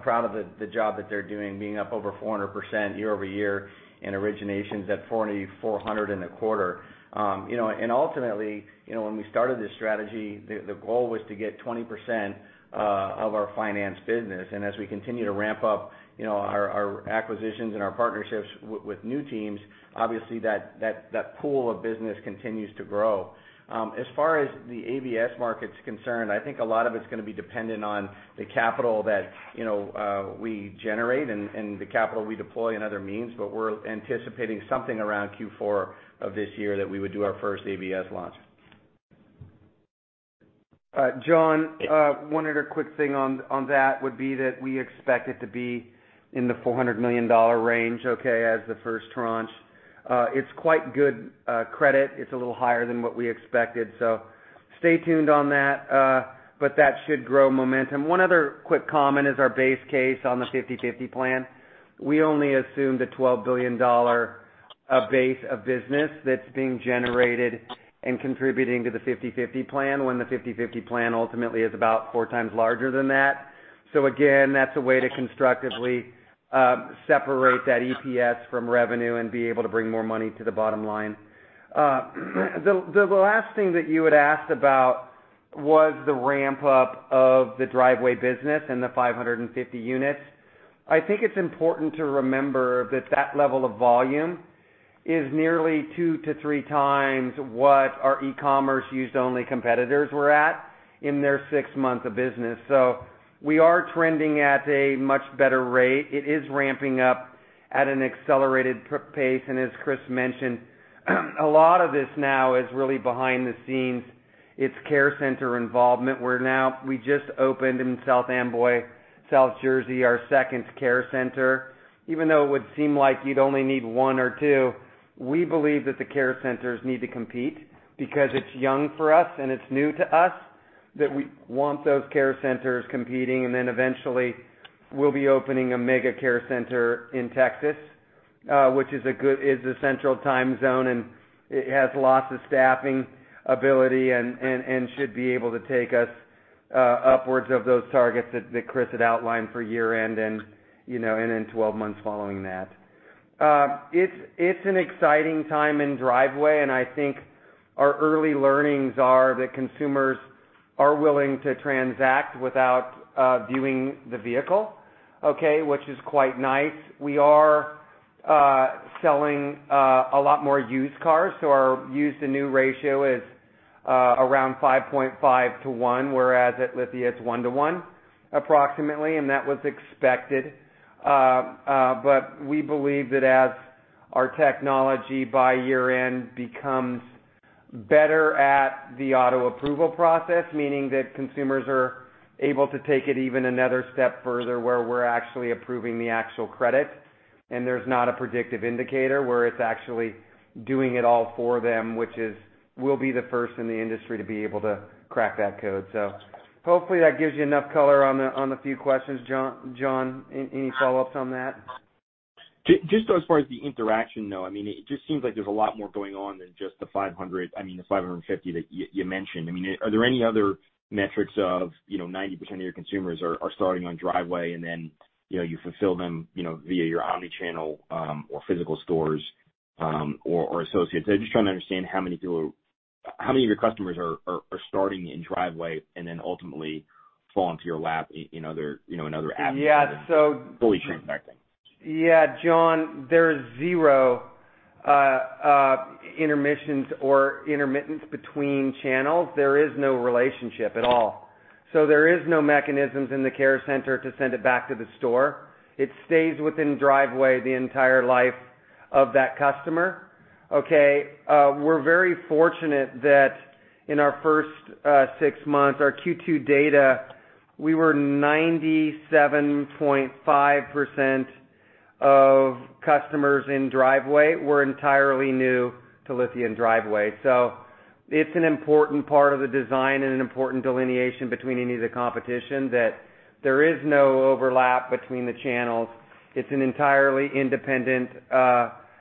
proud of the job that they're doing, being up over 400% year-over-year in originations at 4,400 in a quarter. Ultimately, when we started this strategy, the goal was to get 20% of our finance business. As we continue to ramp up our acquisitions and our partnerships with new teams, obviously that pool of business continues to grow. As far as the ABS market's concerned, a lot of it's gonna be dependent on the capital that we generate and the capital we deploy in other means. We're anticipating something around Q4 of this year that we would do our first ABS launch. John, one other quick thing on that would be that we expect it to be in the $400 million range, okay, as the first tranche. It's quite good credit. It's a little higher than what we expected. Stay tuned on that, but that should grow momentum. One other quick comment is our base case on the fifty/fifty plan. We only assumed a $12 billion base of business that's being generated and contributing to the fifty/fifty plan, when the fifty/fifty plan ultimately is about 4x larger than that. Again, that's a way to constructively separate that EPS from revenue and be able to bring more money to the bottom line. The last thing that you had asked about was the ramp-up of the Driveway business and the 550 units. It's important to remember that that level of volume is nearly 2 to 3x what our e-commerce used-only competitors were at in their 6th month of business. We are trending at a much better rate. It is ramping up at an accelerated pace, as Chris Holzshu mentioned, a lot of this now is really behind the scenes. It's care center involvement, where now we just opened in South Amboy, South Jersey, our 2nd care center. Even though it would seem like you'd only need one or two, we believe that the care centers need to compete because it's young for us and it's new to us, that we want those care centers competing. Eventually we'll be opening a mega care center in Texas, which is a good Central Time zone, and it has lots of staffing ability and should be able to take us upwards of those targets that Chris had outlined for year-end and then 12 months following that. It's an exciting time in Driveway, and our early learnings are that consumers are willing to transact without viewing the vehicle, okay, which is quite nice. We are selling a lot more used cars, so our used-to-new ratio is around 5.5 to 1, whereas at Lithia it's one to one approximately, and that was expected. We believe that as our technology by year-end becomes better at the auto approval process, meaning that consumers are able to take it even another step further, where we're actually approving the actual credit and there's not a predictive indicator, where it's actually doing it all for them, which is We'll be the first in the industry to be able to crack that code. So hopefully that gives you enough color on the, on the few questions. John, any follow-ups on that? Just as far as the interaction, though, I mean, it just seems like there's a lot more going on than just the 500, the 550 that you mentioned. I mean, are there any other metrics of 90% of your consumers are starting on Driveway, and then you fulfill them via your omni-channel or physical stores or associates? I'm just trying to understand how many of your customers are starting in Driveway and then ultimately fall into your lap in other avenues? Yeah. Fully transacting. John, there's zero intermissions or intermittence between channels. There is no relationship at all. There is no mechanisms in the care center to send it back to the store. It stays within Driveway the entire life of that customer, okay? We're very fortunate that in our 1st, six months, our Q2 data, we were 97.5% of customers in Driveway were entirely new to Lithia & Driveway. It's an important part of the design and an important delineation between any of the competition that there is no overlap between the channels. It's an entirely independent,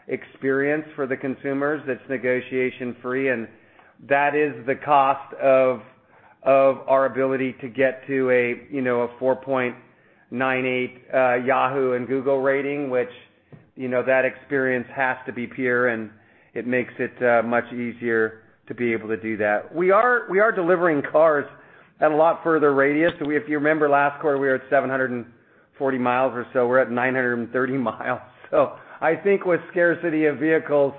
experience for the consumers that's negotiation-free. That is the cost of our ability to get to a 4.98 Yahoo and Google rating, which that experience has to be pure. It makes it much easier to be able to do that. We are delivering cars at a lot further radius. If you remember last quarter, we were at 740 miles or so. We're at 930 miles. With scarcity of vehicles,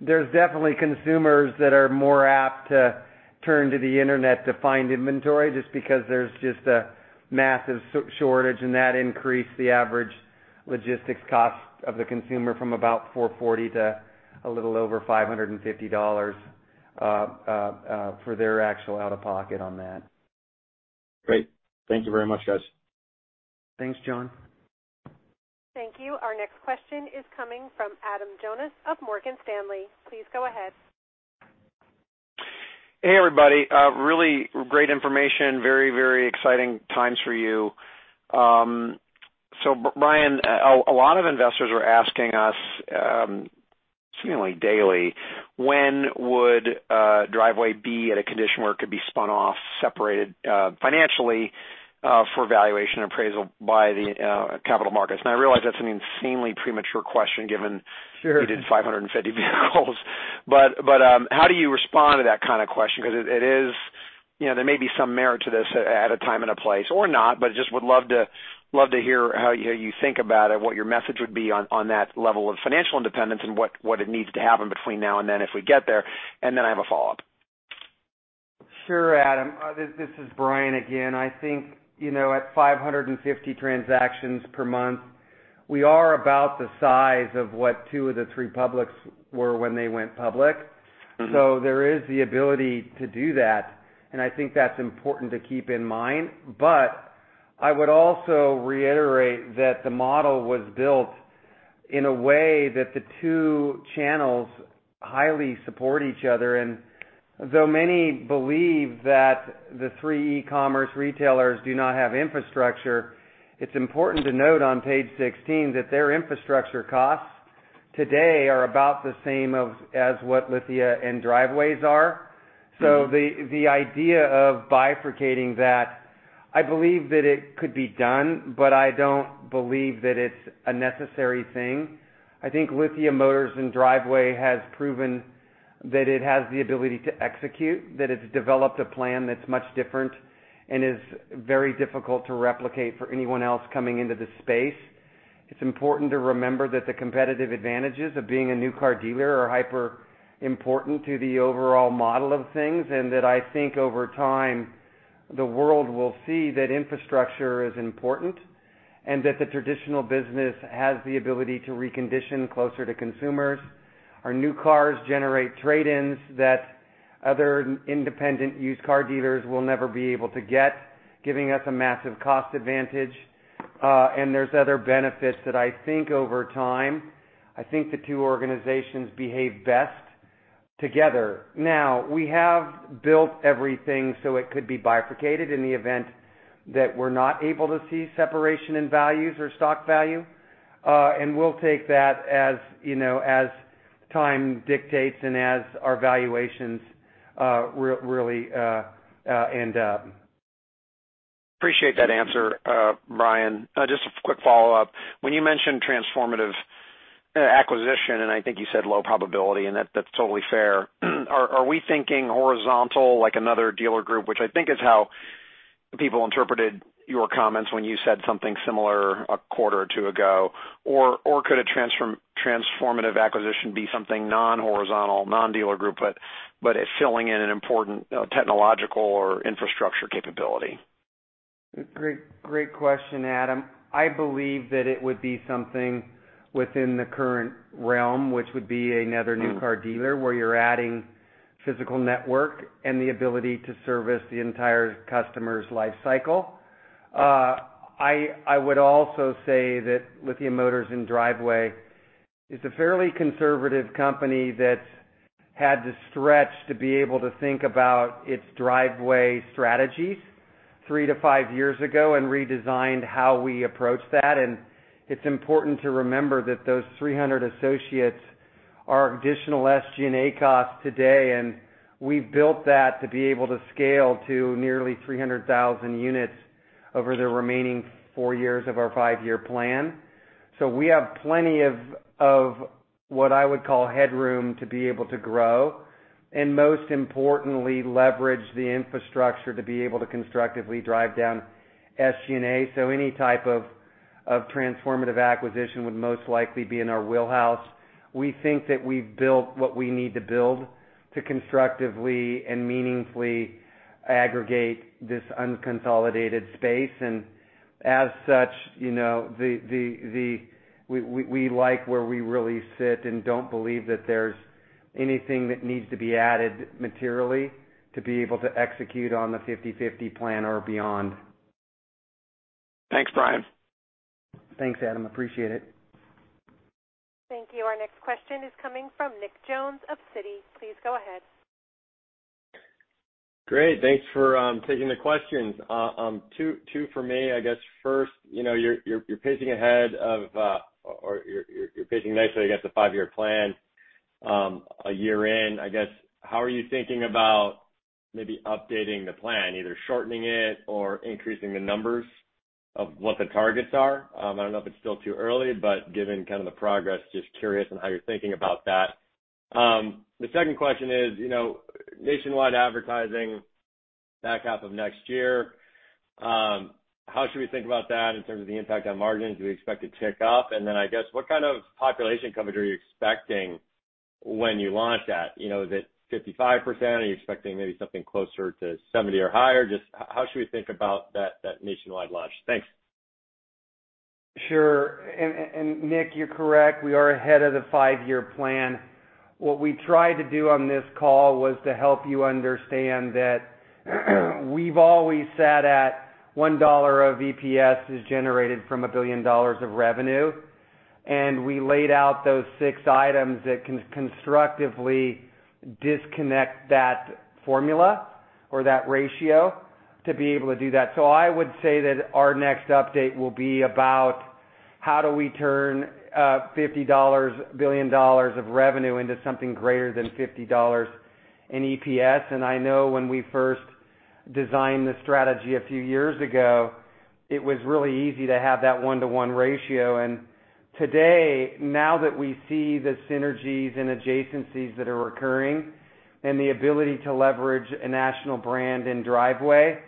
there's definitely consumers that are more apt to turn to the internet to find inventory, just because there's just a massive shortage, and that increased the average logistics cost of the consumer from about $440 to a little over $550 for their actual out-of-pocket on that. Great. Thank you very much, guys. Thanks, John. Thank you. Our next question is coming from Adam Jonas of Morgan Stanley. Please go ahead. Hey, everybody. Really great information. Very, very exciting times for you. So Bryan, a lot of investors are asking us, seemingly daily, when would Driveway be at a condition where it could be spun off, separated, financially, for valuation appraisal by the capital markets? I realize that's an insanely premature question. Sure. You did 550 vehicles. How do you respond to that kind of question? It is there may be some merit to this at a time and a place or not, but just would love to hear how you think about it, what your message would be on that level of financial independence and what it needs to happen between now and then if we get there, I have a follow-up. Sure, Adam. This is Bryan again. At 550 transactions per month, we are about the size of what two of the three publics were when they went public. There is the ability to do that, and that's important to keep in mind. I would also reiterate that the model was built in a way that the two channels highly support each other. Though many believe that the three e-commerce retailers do not have infrastructure, it's important to note on page 16 that their infrastructure costs today are about the same as what Lithia & Driveway's are. The idea of bifurcating that, I believe that it could be done, but I don't believe that it's a necessary thing. Lithia Motors and Driveway has proven that it has the ability to execute, that it's developed a plan that's much different and is very difficult to replicate for anyone else coming into the space. It's important to remember that the competitive advantages of being a new car dealer are hyper important to the overall model of things. That over time the world will see that infrastructure is important and that the traditional business has the ability to recondition closer to consumers. Our new cars generate trade-ins that other independent used car dealers will never be able to get, giving us a massive cost advantage. There's other benefits that over time, the two organizations behave best together. Now, we have built everything so it could be bifurcated in the event that we're not able to see separation in values or stock value. We'll take that as time dictates and as our valuations really end up. Appreciate that answer, Bryan. Just a quick follow-up. When you mentioned transformative acquisition, and you said low probability, and that's totally fair. Are we thinking horizontal like another dealer group, which is how people interpreted your comments when you said something similar a quarter or two ago? Or could a transformative acquisition be something non-horizontal, non-dealer group, but it's filling in an important technological or infrastructure capability? Great, great question, Adam. I believe that it would be something within the current realm, which would be another new car dealer, where you're adding physical network and the ability to service the entire customer's life cycle. I would also say that Lithia Motors and Driveway is a fairly conservative company that's had to stretch to be able to think about its Driveway strategies three to five years ago and redesigned how we approach that. It's important to remember that those 300 associates are additional SG&A costs today, and we've built that to be able to scale to nearly 300,000 units over the remaining four years of our five-year plan. We have plenty of what I would call headroom to be able to grow, and most importantly, leverage the infrastructure to be able to constructively drive down SG&A. Any type of transformative acquisition would most likely be in our wheelhouse. We think that we've built what we need to build to constructively and meaningfully aggregate this unconsolidated space. As such, we like where we really sit and don't believe that there's anything that needs to be added materially to be able to execute on the 50/50 plan or beyond. Thanks, Bryan. Thanks, Adam. Appreciate it. Thank you. Our next question is coming from Nick Jones of Citi. Please go ahead. Great. Thanks for taking the questions. 2 for me. First, you're pacing ahead of or you're pacing nicely against the 5-year plan, a year in. How are you thinking about maybe updating the plan, either shortening it or increasing the numbers of what the targets are? I don't know if it's still too early, but given kind of the progress, just curious on how you're thinking about that. The second question is nationwide advertising back half of next year, how should we think about that in terms of the impact on margins? Do we expect a tick up? I guess, what kind of population coverage are you expecting when you launch that? Is it 55%? Are you expecting maybe something closer to 70 or higher? How should we think about that nationwide launch? Thanks. Sure. Nick, you're correct, we are ahead of the 5-year plan. What we tried to do on this call was to help you understand that we've always sat at $1 of EPS is generated from $1 billion of revenue. We laid out those six items that can constructively disconnect that formula or that ratio to be able to do that. I would say that our next update will be about how do we turn $50 billion of revenue into something greater than $50 in EPS. I know when we first designed the strategy a few years ago, it was really easy to have that 1-to-1 ratio. Today, now that we see the synergies and adjacencies that are occurring and the ability to leverage a national brand in Driveway,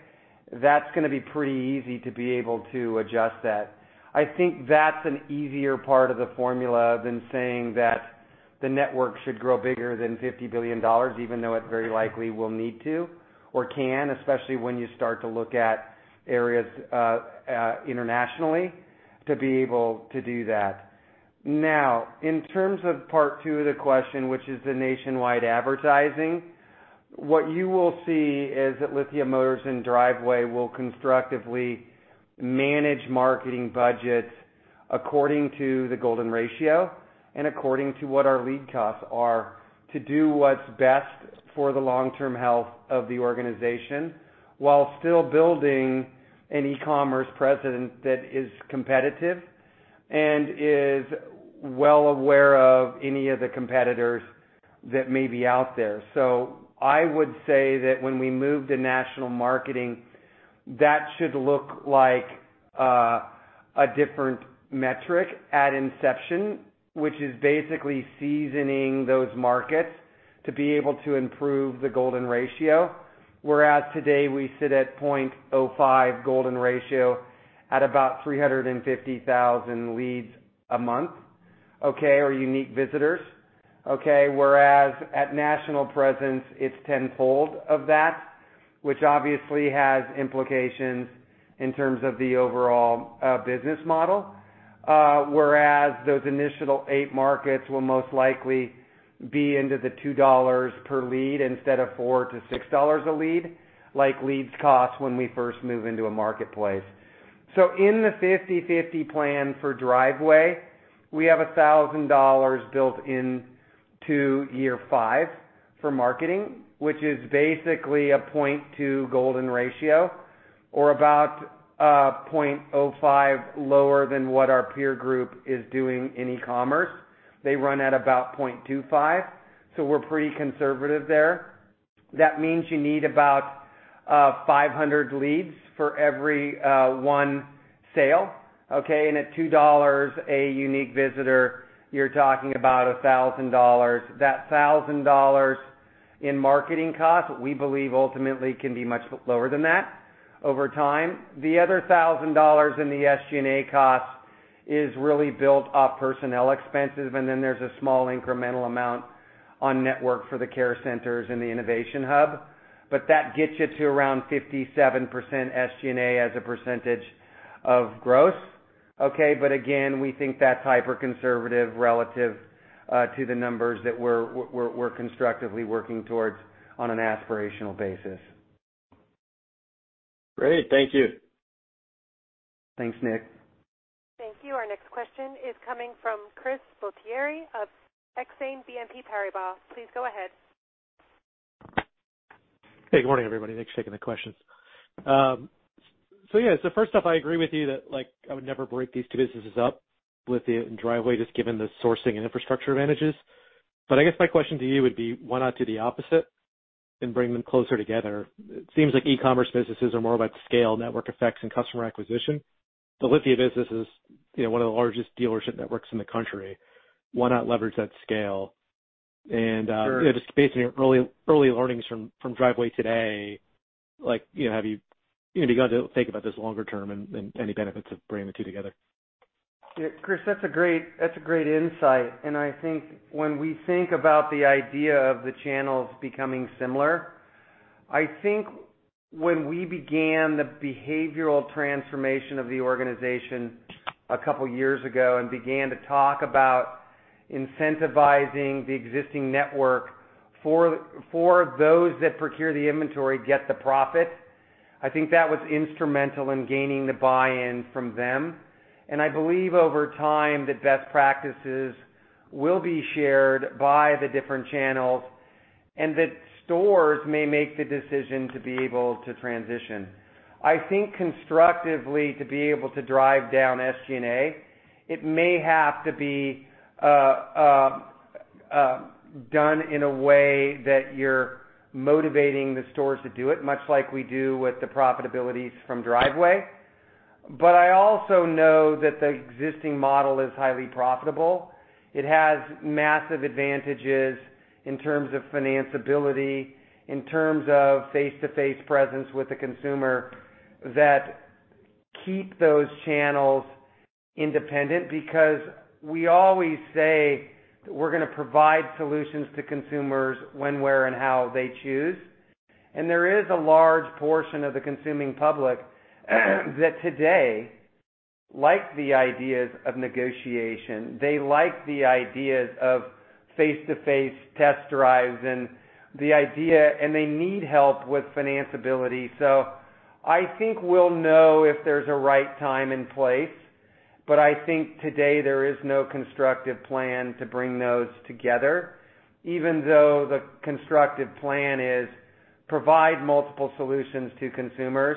that's gonna be pretty easy to be able to adjust that. That's an easier part of the formula than saying that the network should grow bigger than $50 billion, even though it very likely will need to or can, especially when you start to look at areas internationally to be able to do that. In terms of part 2 of the question, which is the nationwide advertising. What you will see is that Lithia Motors and Driveway will constructively manage marketing budgets according to the golden ratio and according to what our lead costs are to do what's best for the long-term health of the organization, while still building an e-commerce presence that is competitive and is well aware of any of the competitors that may be out there. I would say that when we move to national marketing, that should look like a different metric at inception, which is basically seasoning those markets to be able to improve the golden ratio. Whereas today we sit at 0.05 golden ratio at about 350,000 leads a month, okay, or unique visitors. Okay. Whereas at national presence, it's tenfold of that, which obviously has implications in terms of the overall business model. Whereas those initial eight markets will most likely be into the $2 per lead instead of $4-$6 a lead, like leads cost when we first move into a marketplace. In the fifty-fifty plan for Driveway, we have $1,000 built into year five for marketing, which is basically a 0.2 golden ratio or about 0.05 lower than what our peer group is doing in e-commerce. They run at about 0.25, we're pretty conservative there. That means you need about 500 leads for every one sale, okay? At $2 a unique visitor, you're talking about $1,000. That $1,000 in marketing costs, we believe ultimately can be much lower than that over time. The other $1,000 in the SG&A cost is really built off personnel expenses, and then there's a small incremental amount on network for the care centers and the innovation hub. That gets you to around 57% SG&A as a percentage of gross, okay? Again, we think that's hyper-conservative relative to the numbers that we're constructively working towards on an aspirational basis. Great. Thank you. Thanks, Nick. Thank you. Our next question is coming from Christopher Bottiglieri of Exane BNP Paribas. Please go ahead. Hey, good morning, everybody. Thanks for taking the questions. First off, I agree with you that, like, I would never break these two businesses up with the Driveway, just given the sourcing and infrastructure advantages. I guess my question to you would be, why not do the opposite and bring them closer together? It seems like e-commerce businesses are more about scale, network effects, and customer acquisition. The Lithia business is one of the largest dealership networks in the country. Why not leverage that scale? Sure. Just based on your early learnings from Driveway today, like have you begun to think about this longer term and any benefits of bringing the two together? Yeah, Chris, that's a great, that's a great insight. When we think about the idea of the channels becoming similar, when we began the behavioral transformation of the organization a couple years ago and began to talk about incentivizing the existing network for those that procure the inventory get the profit, that was instrumental in gaining the buy-in from them. I believe over time, the best practices will be shared by the different channels, and that stores may make the decision to be able to transition. Constructively, to be able to drive down SG&A, it may have to be done in a way that you're motivating the stores to do it, much like we do with the profitabilities from Driveway. I also know that the existing model is highly profitable. It has massive advantages in terms of financeability, in terms of face-to-face presence with the consumer that keep those channels independent. We always say we're going to provide solutions to consumers when, where, and how they choose. There is a large portion of the consuming public that today like the ideas of negotiation. They like the ideas of face-to-face test drives and they need help with financeability. We'll know if there's a right time and place, but today there is no constructive plan to bring those together, even though the constructive plan is provide multiple solutions to consumers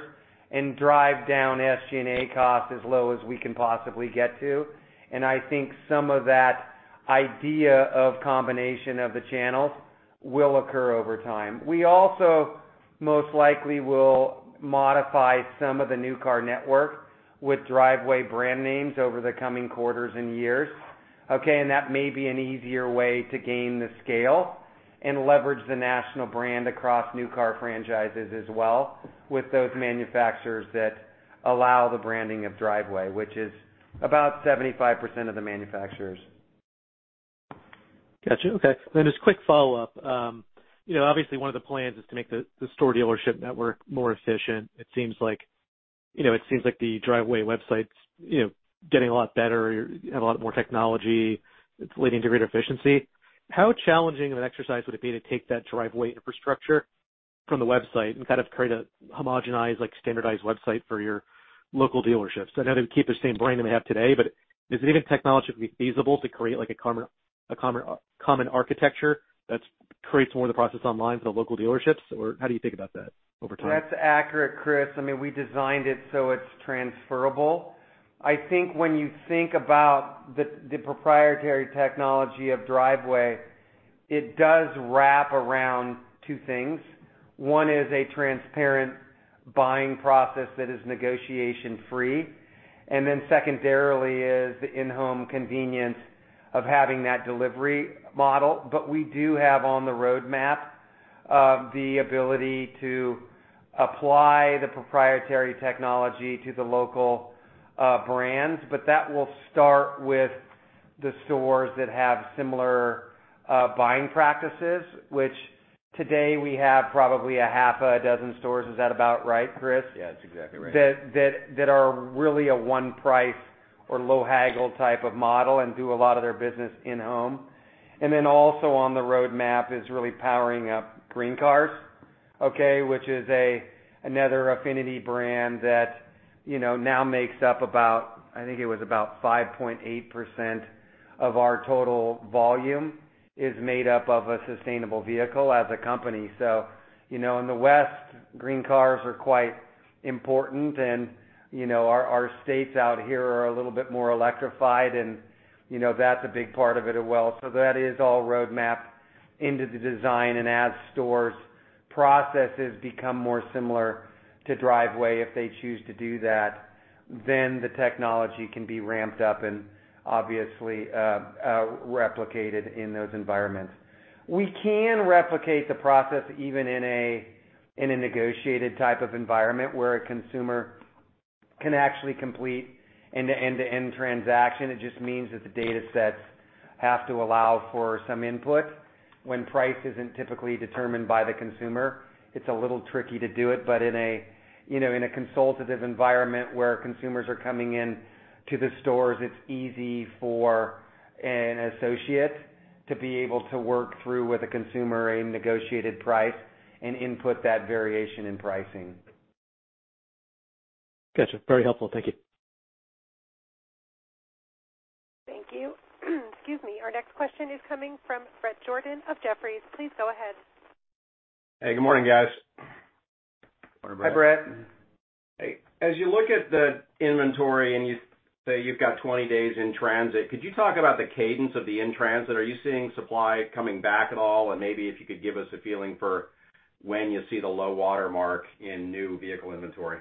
and drive down SG&A costs as low as we can possibly get to. Some of that idea of combination of the channels will occur over time. We also most likely will modify some of the new car network with Driveway brand names over the coming quarters and years. Okay. That may be an easier way to gain the scale and leverage the national brand across new car franchises as well with those manufacturers that allow the branding of Driveway, which is about 75% of the manufacturers. Got you. Okay. Just quick follow-up. Obviously one of the plans is to make the store dealership network more efficient. It seems like the Driveway website's getting a lot better. You have a lot more technology. It's leading to greater efficiency. How challenging of an exercise would it be to take that Driveway infrastructure from the website and kind of create a homogenized, like, standardized website for your local dealerships? I know they would keep the same brand they have today, but is it even technologically feasible to create, like, a common architecture that's creates more of the process online for the local dealerships? How do you think about that over time? That's accurate, Chris. I mean, we designed it so it's transferable. When you think about the proprietary technology of Driveway, it does wrap around two things. One is a transparent buying process that is negotiation-free, and then secondarily is the in-home convenience of having that delivery model. We do have on the roadmap the ability to apply the proprietary technology to the local brands. That will start with the stores that have similar buying practices, which today we have probably six stores. Is that about right, Chris? Yeah, that's exactly right. That are really a one price or low haggle type of model and do a lot of their business in-home. Also on the roadmap is really powering up GreenCars, which is another affinity brand that now makes up about, it was about 5.8% of our total volume is made up of a sustainable vehicle as a company. In the West, GreenCars are quite important and our states out here are a little bit more electrified and that's a big part of it as well. That is all roadmapped into the design. As stores' processes become more similar to Driveway, if they choose to do that, then the technology can be ramped up and obviously replicated in those environments. We can replicate the process even in a negotiated type of environment where a consumer can actually complete end-to-end transaction. It just means that the datasets have to allow for some input. When price isn't typically determined by the consumer, it's a little tricky to do it. In a consultative environment where consumers are coming in to the stores, it's easy for an associate to be able to work through with a consumer a negotiated price and input that variation in pricing. Got you. Very helpful. Thank you. Thank you. Excuse me. Our next question is coming from Bret Jordan of Jefferies. Please go ahead. Hey, good morning, guys. Good morning, Bret. Hi, Bret. Hey. As you look at the inventory and you say you've got 20 days in transit, could you talk about the cadence of the in transit? Are you seeing supply coming back at all? Maybe if you could give us a feeling for when you see the low water mark in new vehicle inventory.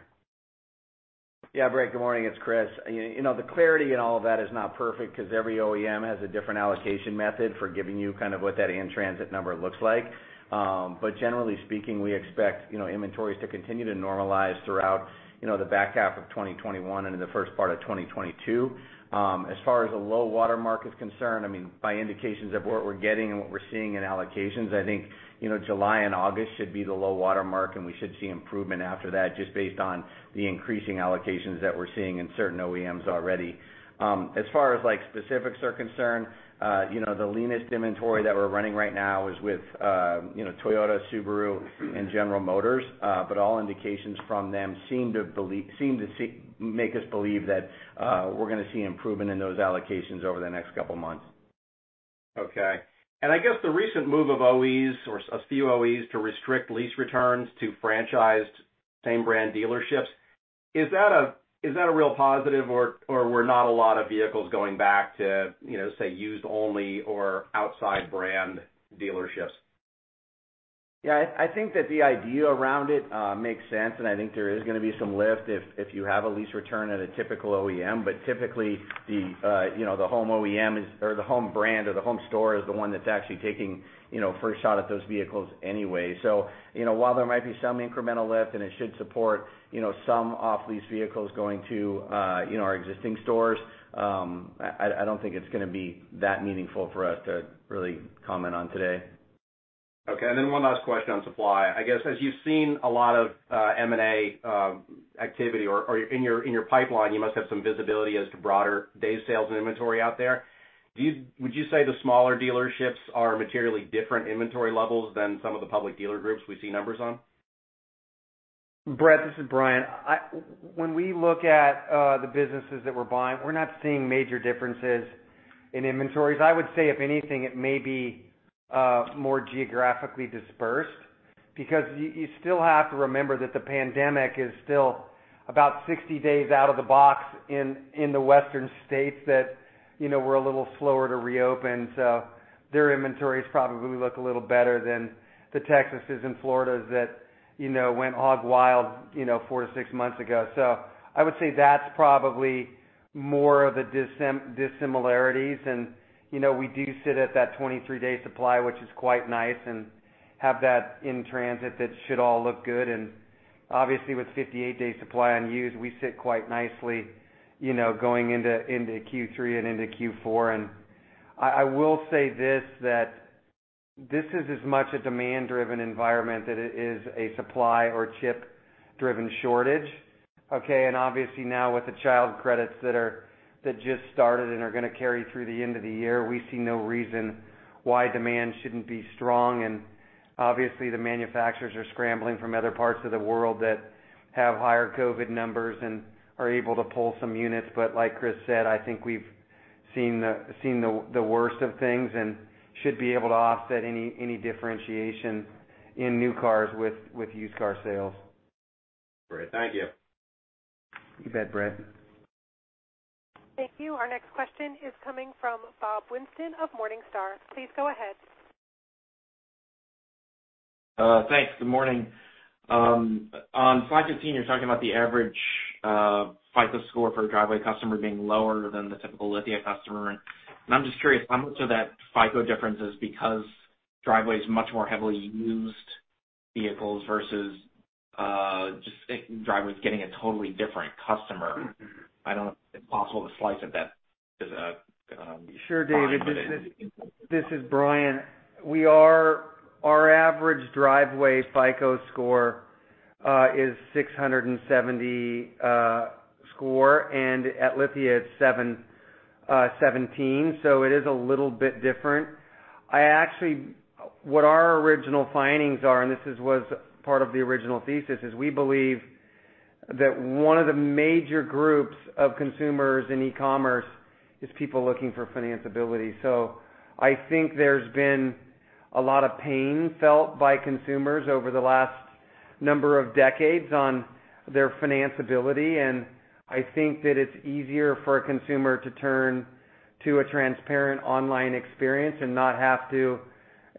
Yeah, Bret. Good morning. It's Chris. The clarity in all of that is not perfect because every OEM has a different allocation method for giving you kind of what that in-transit number looks like. Generally speaking, we expect, inventories to continue to normalize throughout the back half of 2021 and into the first part of 2022. As far as the low water mark is concerned, I mean, by indications of what we're getting and what we're seeing in allocations, July and August should be the low water mark, and we should see improvement after that, just based on the increasing allocations that we're seeing in certain OEMs already. As far as, like, specifics are concerned, the leanest inventory that we're running right now is with, Toyota, Subaru, and General Motors. All indications from them seem to make us believe that we're gonna see improvement in those allocations over the next couple of months. Okay. I guess the recent move of OEs or a few OEs to restrict lease returns to franchised same brand dealerships, is that a real positive, or were not a lot of vehicles going back to say, used only or outside brand dealerships? That the idea around it makes sense, and there is gonna be some lift if you have a lease return at a typical OEM. Typically the, the home OEM is or the home brand or the home store is the one that's actually taking, first shot at those vehicles anyway. While there might be some incremental lift, and it should support some off-lease vehicles going to our existing stores, I don't think it's gonna be that meaningful for us to really comment on today. Okay. one last question on supply. I guess, as you've seen a lot of M&A activity or in your, in your pipeline, you must have some visibility as to broader day sales and inventory out there. Would you say the smaller dealerships are materially different inventory levels than some of the public dealer groups we see numbers on? Bret, this is Bryan. I When we look at the businesses that we're buying, we're not seeing major differences in inventories. I would say if anything, it may be more geographically dispersed because you still have to remember that the pandemic is still about 60 days out of the box in the Western states that were a little slower to reopen. Their inventories probably look a little better than the Texas' and Florida's that went hog wild, 4-6 months ago. I would say that's probably more of the dissimilarities. We do sit at that 23 day supply, which is quite nice, and have that in transit. That should all look good. Obviously, with 58 day supply on used, we sit quite nicely going into Q3 and into Q4. I will say this is as much a demand-driven environment than it is a supply or chip-driven shortage, okay. Obviously now with the child credits that just started and are going to carry through the end of the year, we see no reason why demand shouldn't be strong. Obviously, the manufacturers are scrambling from other parts of the world that have higher COVID numbers and are able to pull some units. Like Chris said, we've seen the worst of things and should be able to offset any differentiation in new cars with used car sales. Great. Thank you. You bet, Bret. Thank you. Our next question is coming from David Whiston of Morningstar. Please go ahead. Thanks. Good morning. On slide 15, you're talking about the average FICO score for Driveway customer being lower than the typical Lithia customer. I'm just curious, how much of that FICO difference is because Driveway is much more heavily used vehicles versus just Driveway's getting a totally different customer? I don't know if it's possible to slice it that fine. Sure, David. This is Bryan. Our average Driveway FICO score is 670, and at Lithia it's 717. It is a little bit different. What our original findings are, and this was part of the original thesis, is we believe that one of the major groups of consumers in e-commerce is people looking for financeability. There's been a lot of pain felt by consumers over the last number of decades on their financeability, and that it's easier for a consumer to turn to a transparent online experience and not have to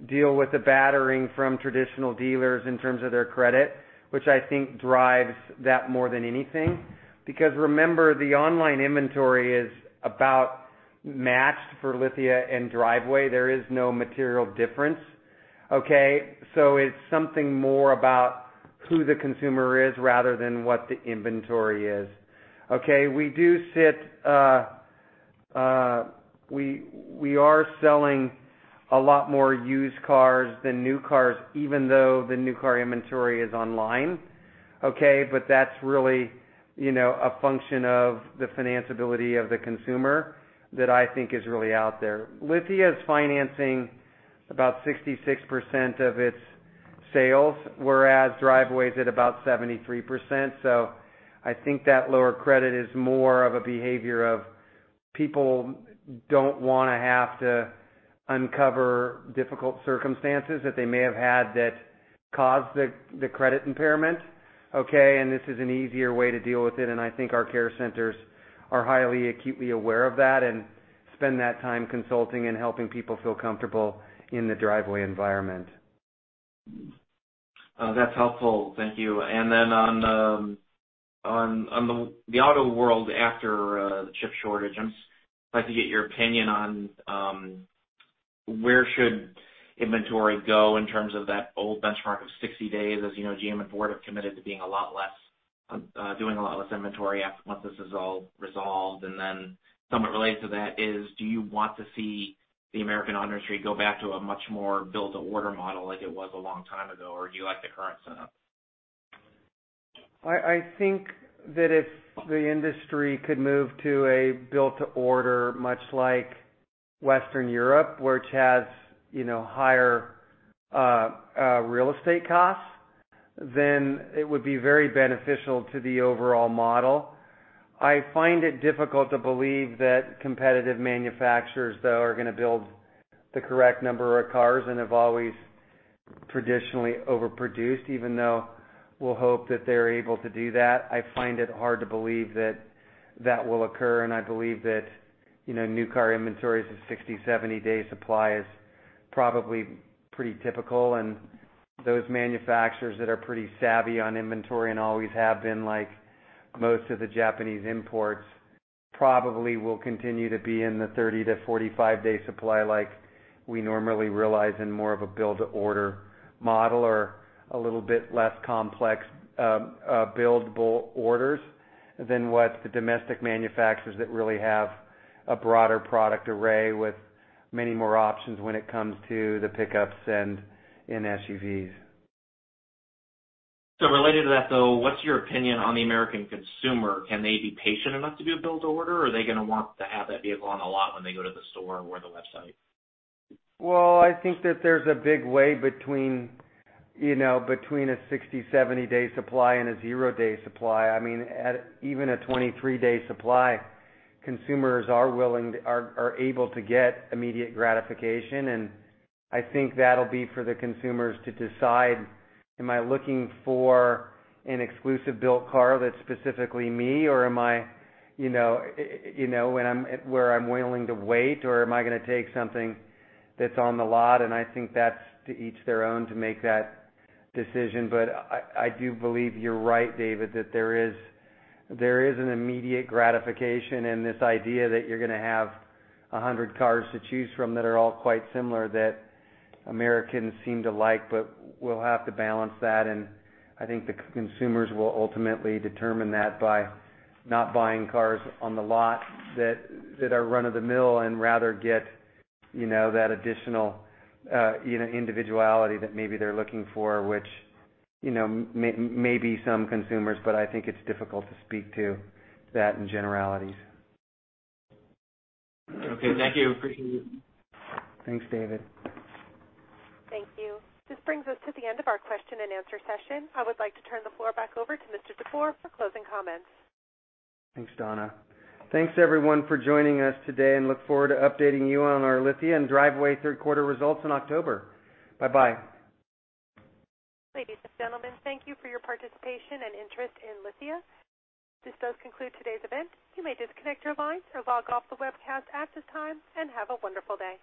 deal with the battering from traditional dealers in terms of their credit, which drives that more than anything. Remember, the online inventory is about matched for Lithia and Driveway. There is no material difference, okay? It's something more about who the consumer is rather than what the inventory is. We are selling a lot more used cars than new cars, even though the new car inventory is online. That's really a function of the financability of the consumer that is really out there. Lithia is financing about 66% of its sales, whereas Driveway is at about 73%. That lower credit is more of a behavior of people don't want to have to uncover difficult circumstances that they may have had that caused the credit impairment. This is an easier way to deal with it, and our care centers are highly acutely aware of that and spend that time consulting and helping people feel comfortable in the Driveway environment. That's helpful. Thank you. On the auto world after the chip shortage, I'd like to get your opinion on where should inventory go in terms of that old benchmark of 60 days? As you know, GM and Ford have committed to being a lot less, doing a lot less inventory after, once this is all resolved. Somewhat related to that is, do you want to see the American auto industry go back to a much more build-to-order model like it was a long time ago, or do you like the current setup? That if the industry could move to a build to order, much like Western Europe, which has higher real estate costs, then it would be very beneficial to the overall model. I find it difficult to believe that competitive manufacturers, though, are going to build the correct number of cars and have always traditionally overproduced, even though we'll hope that they're able to do that. I find it hard to believe that that will occur, and I believe that new car inventories of 60, 70-day supply is probably pretty typical. Those manufacturers that are pretty savvy on inventory and always have been, like most of the Japanese imports, probably will continue to be in the 30- to 45-day supply like we normally realize in more of a build-to-order model or a little bit less complex, build-able orders than what the domestic manufacturers that really have a broader product array with many more options when it comes to the pickups and SUVs. Related to that, though, what's your opinion on the American consumer? Can they be patient enough to do a build to order, or are they going to want to have that vehicle on a lot when they go to the store or the website? That there's a big way between a 60, 70-day supply and a zero-day supply. I mean, at even a 23-day supply, consumers are able to get immediate gratification. That'll be for the consumers to decide, "Am I looking for an exclusive built car that's specifically me, or am I where I'm willing to wait, or am I going to take something that's on the lot?" that's to each their own to make that decision. I do believe you're right, David, that there is an immediate gratification in this idea that you're going to have 100 cars to choose from that are all quite similar that Americans seem to like. We'll have to balance that, and the consumers will ultimately determine that by not buying cars on the lot that are run-of-the-mill and rather get that additional, individuality that maybe they're looking for, which some consumers, but it's difficult to speak to that in generalities. Okay. Thank you. Appreciate it. Thanks, David. Thank you. This brings us to the end of our question and answer session. I would like to turn the floor back over to Mr. DeBoer for closing comments. Thanks, Donna. Thanks everyone for joining us today and look forward to updating you on our Lithia and Driveway third quarter results in October. Bye-bye. Ladies and gentlemen, thank you for your participation and interest in Lithia. This does conclude today's event. You may disconnect your lines or log off the webcast at this time, and have a wonderful day.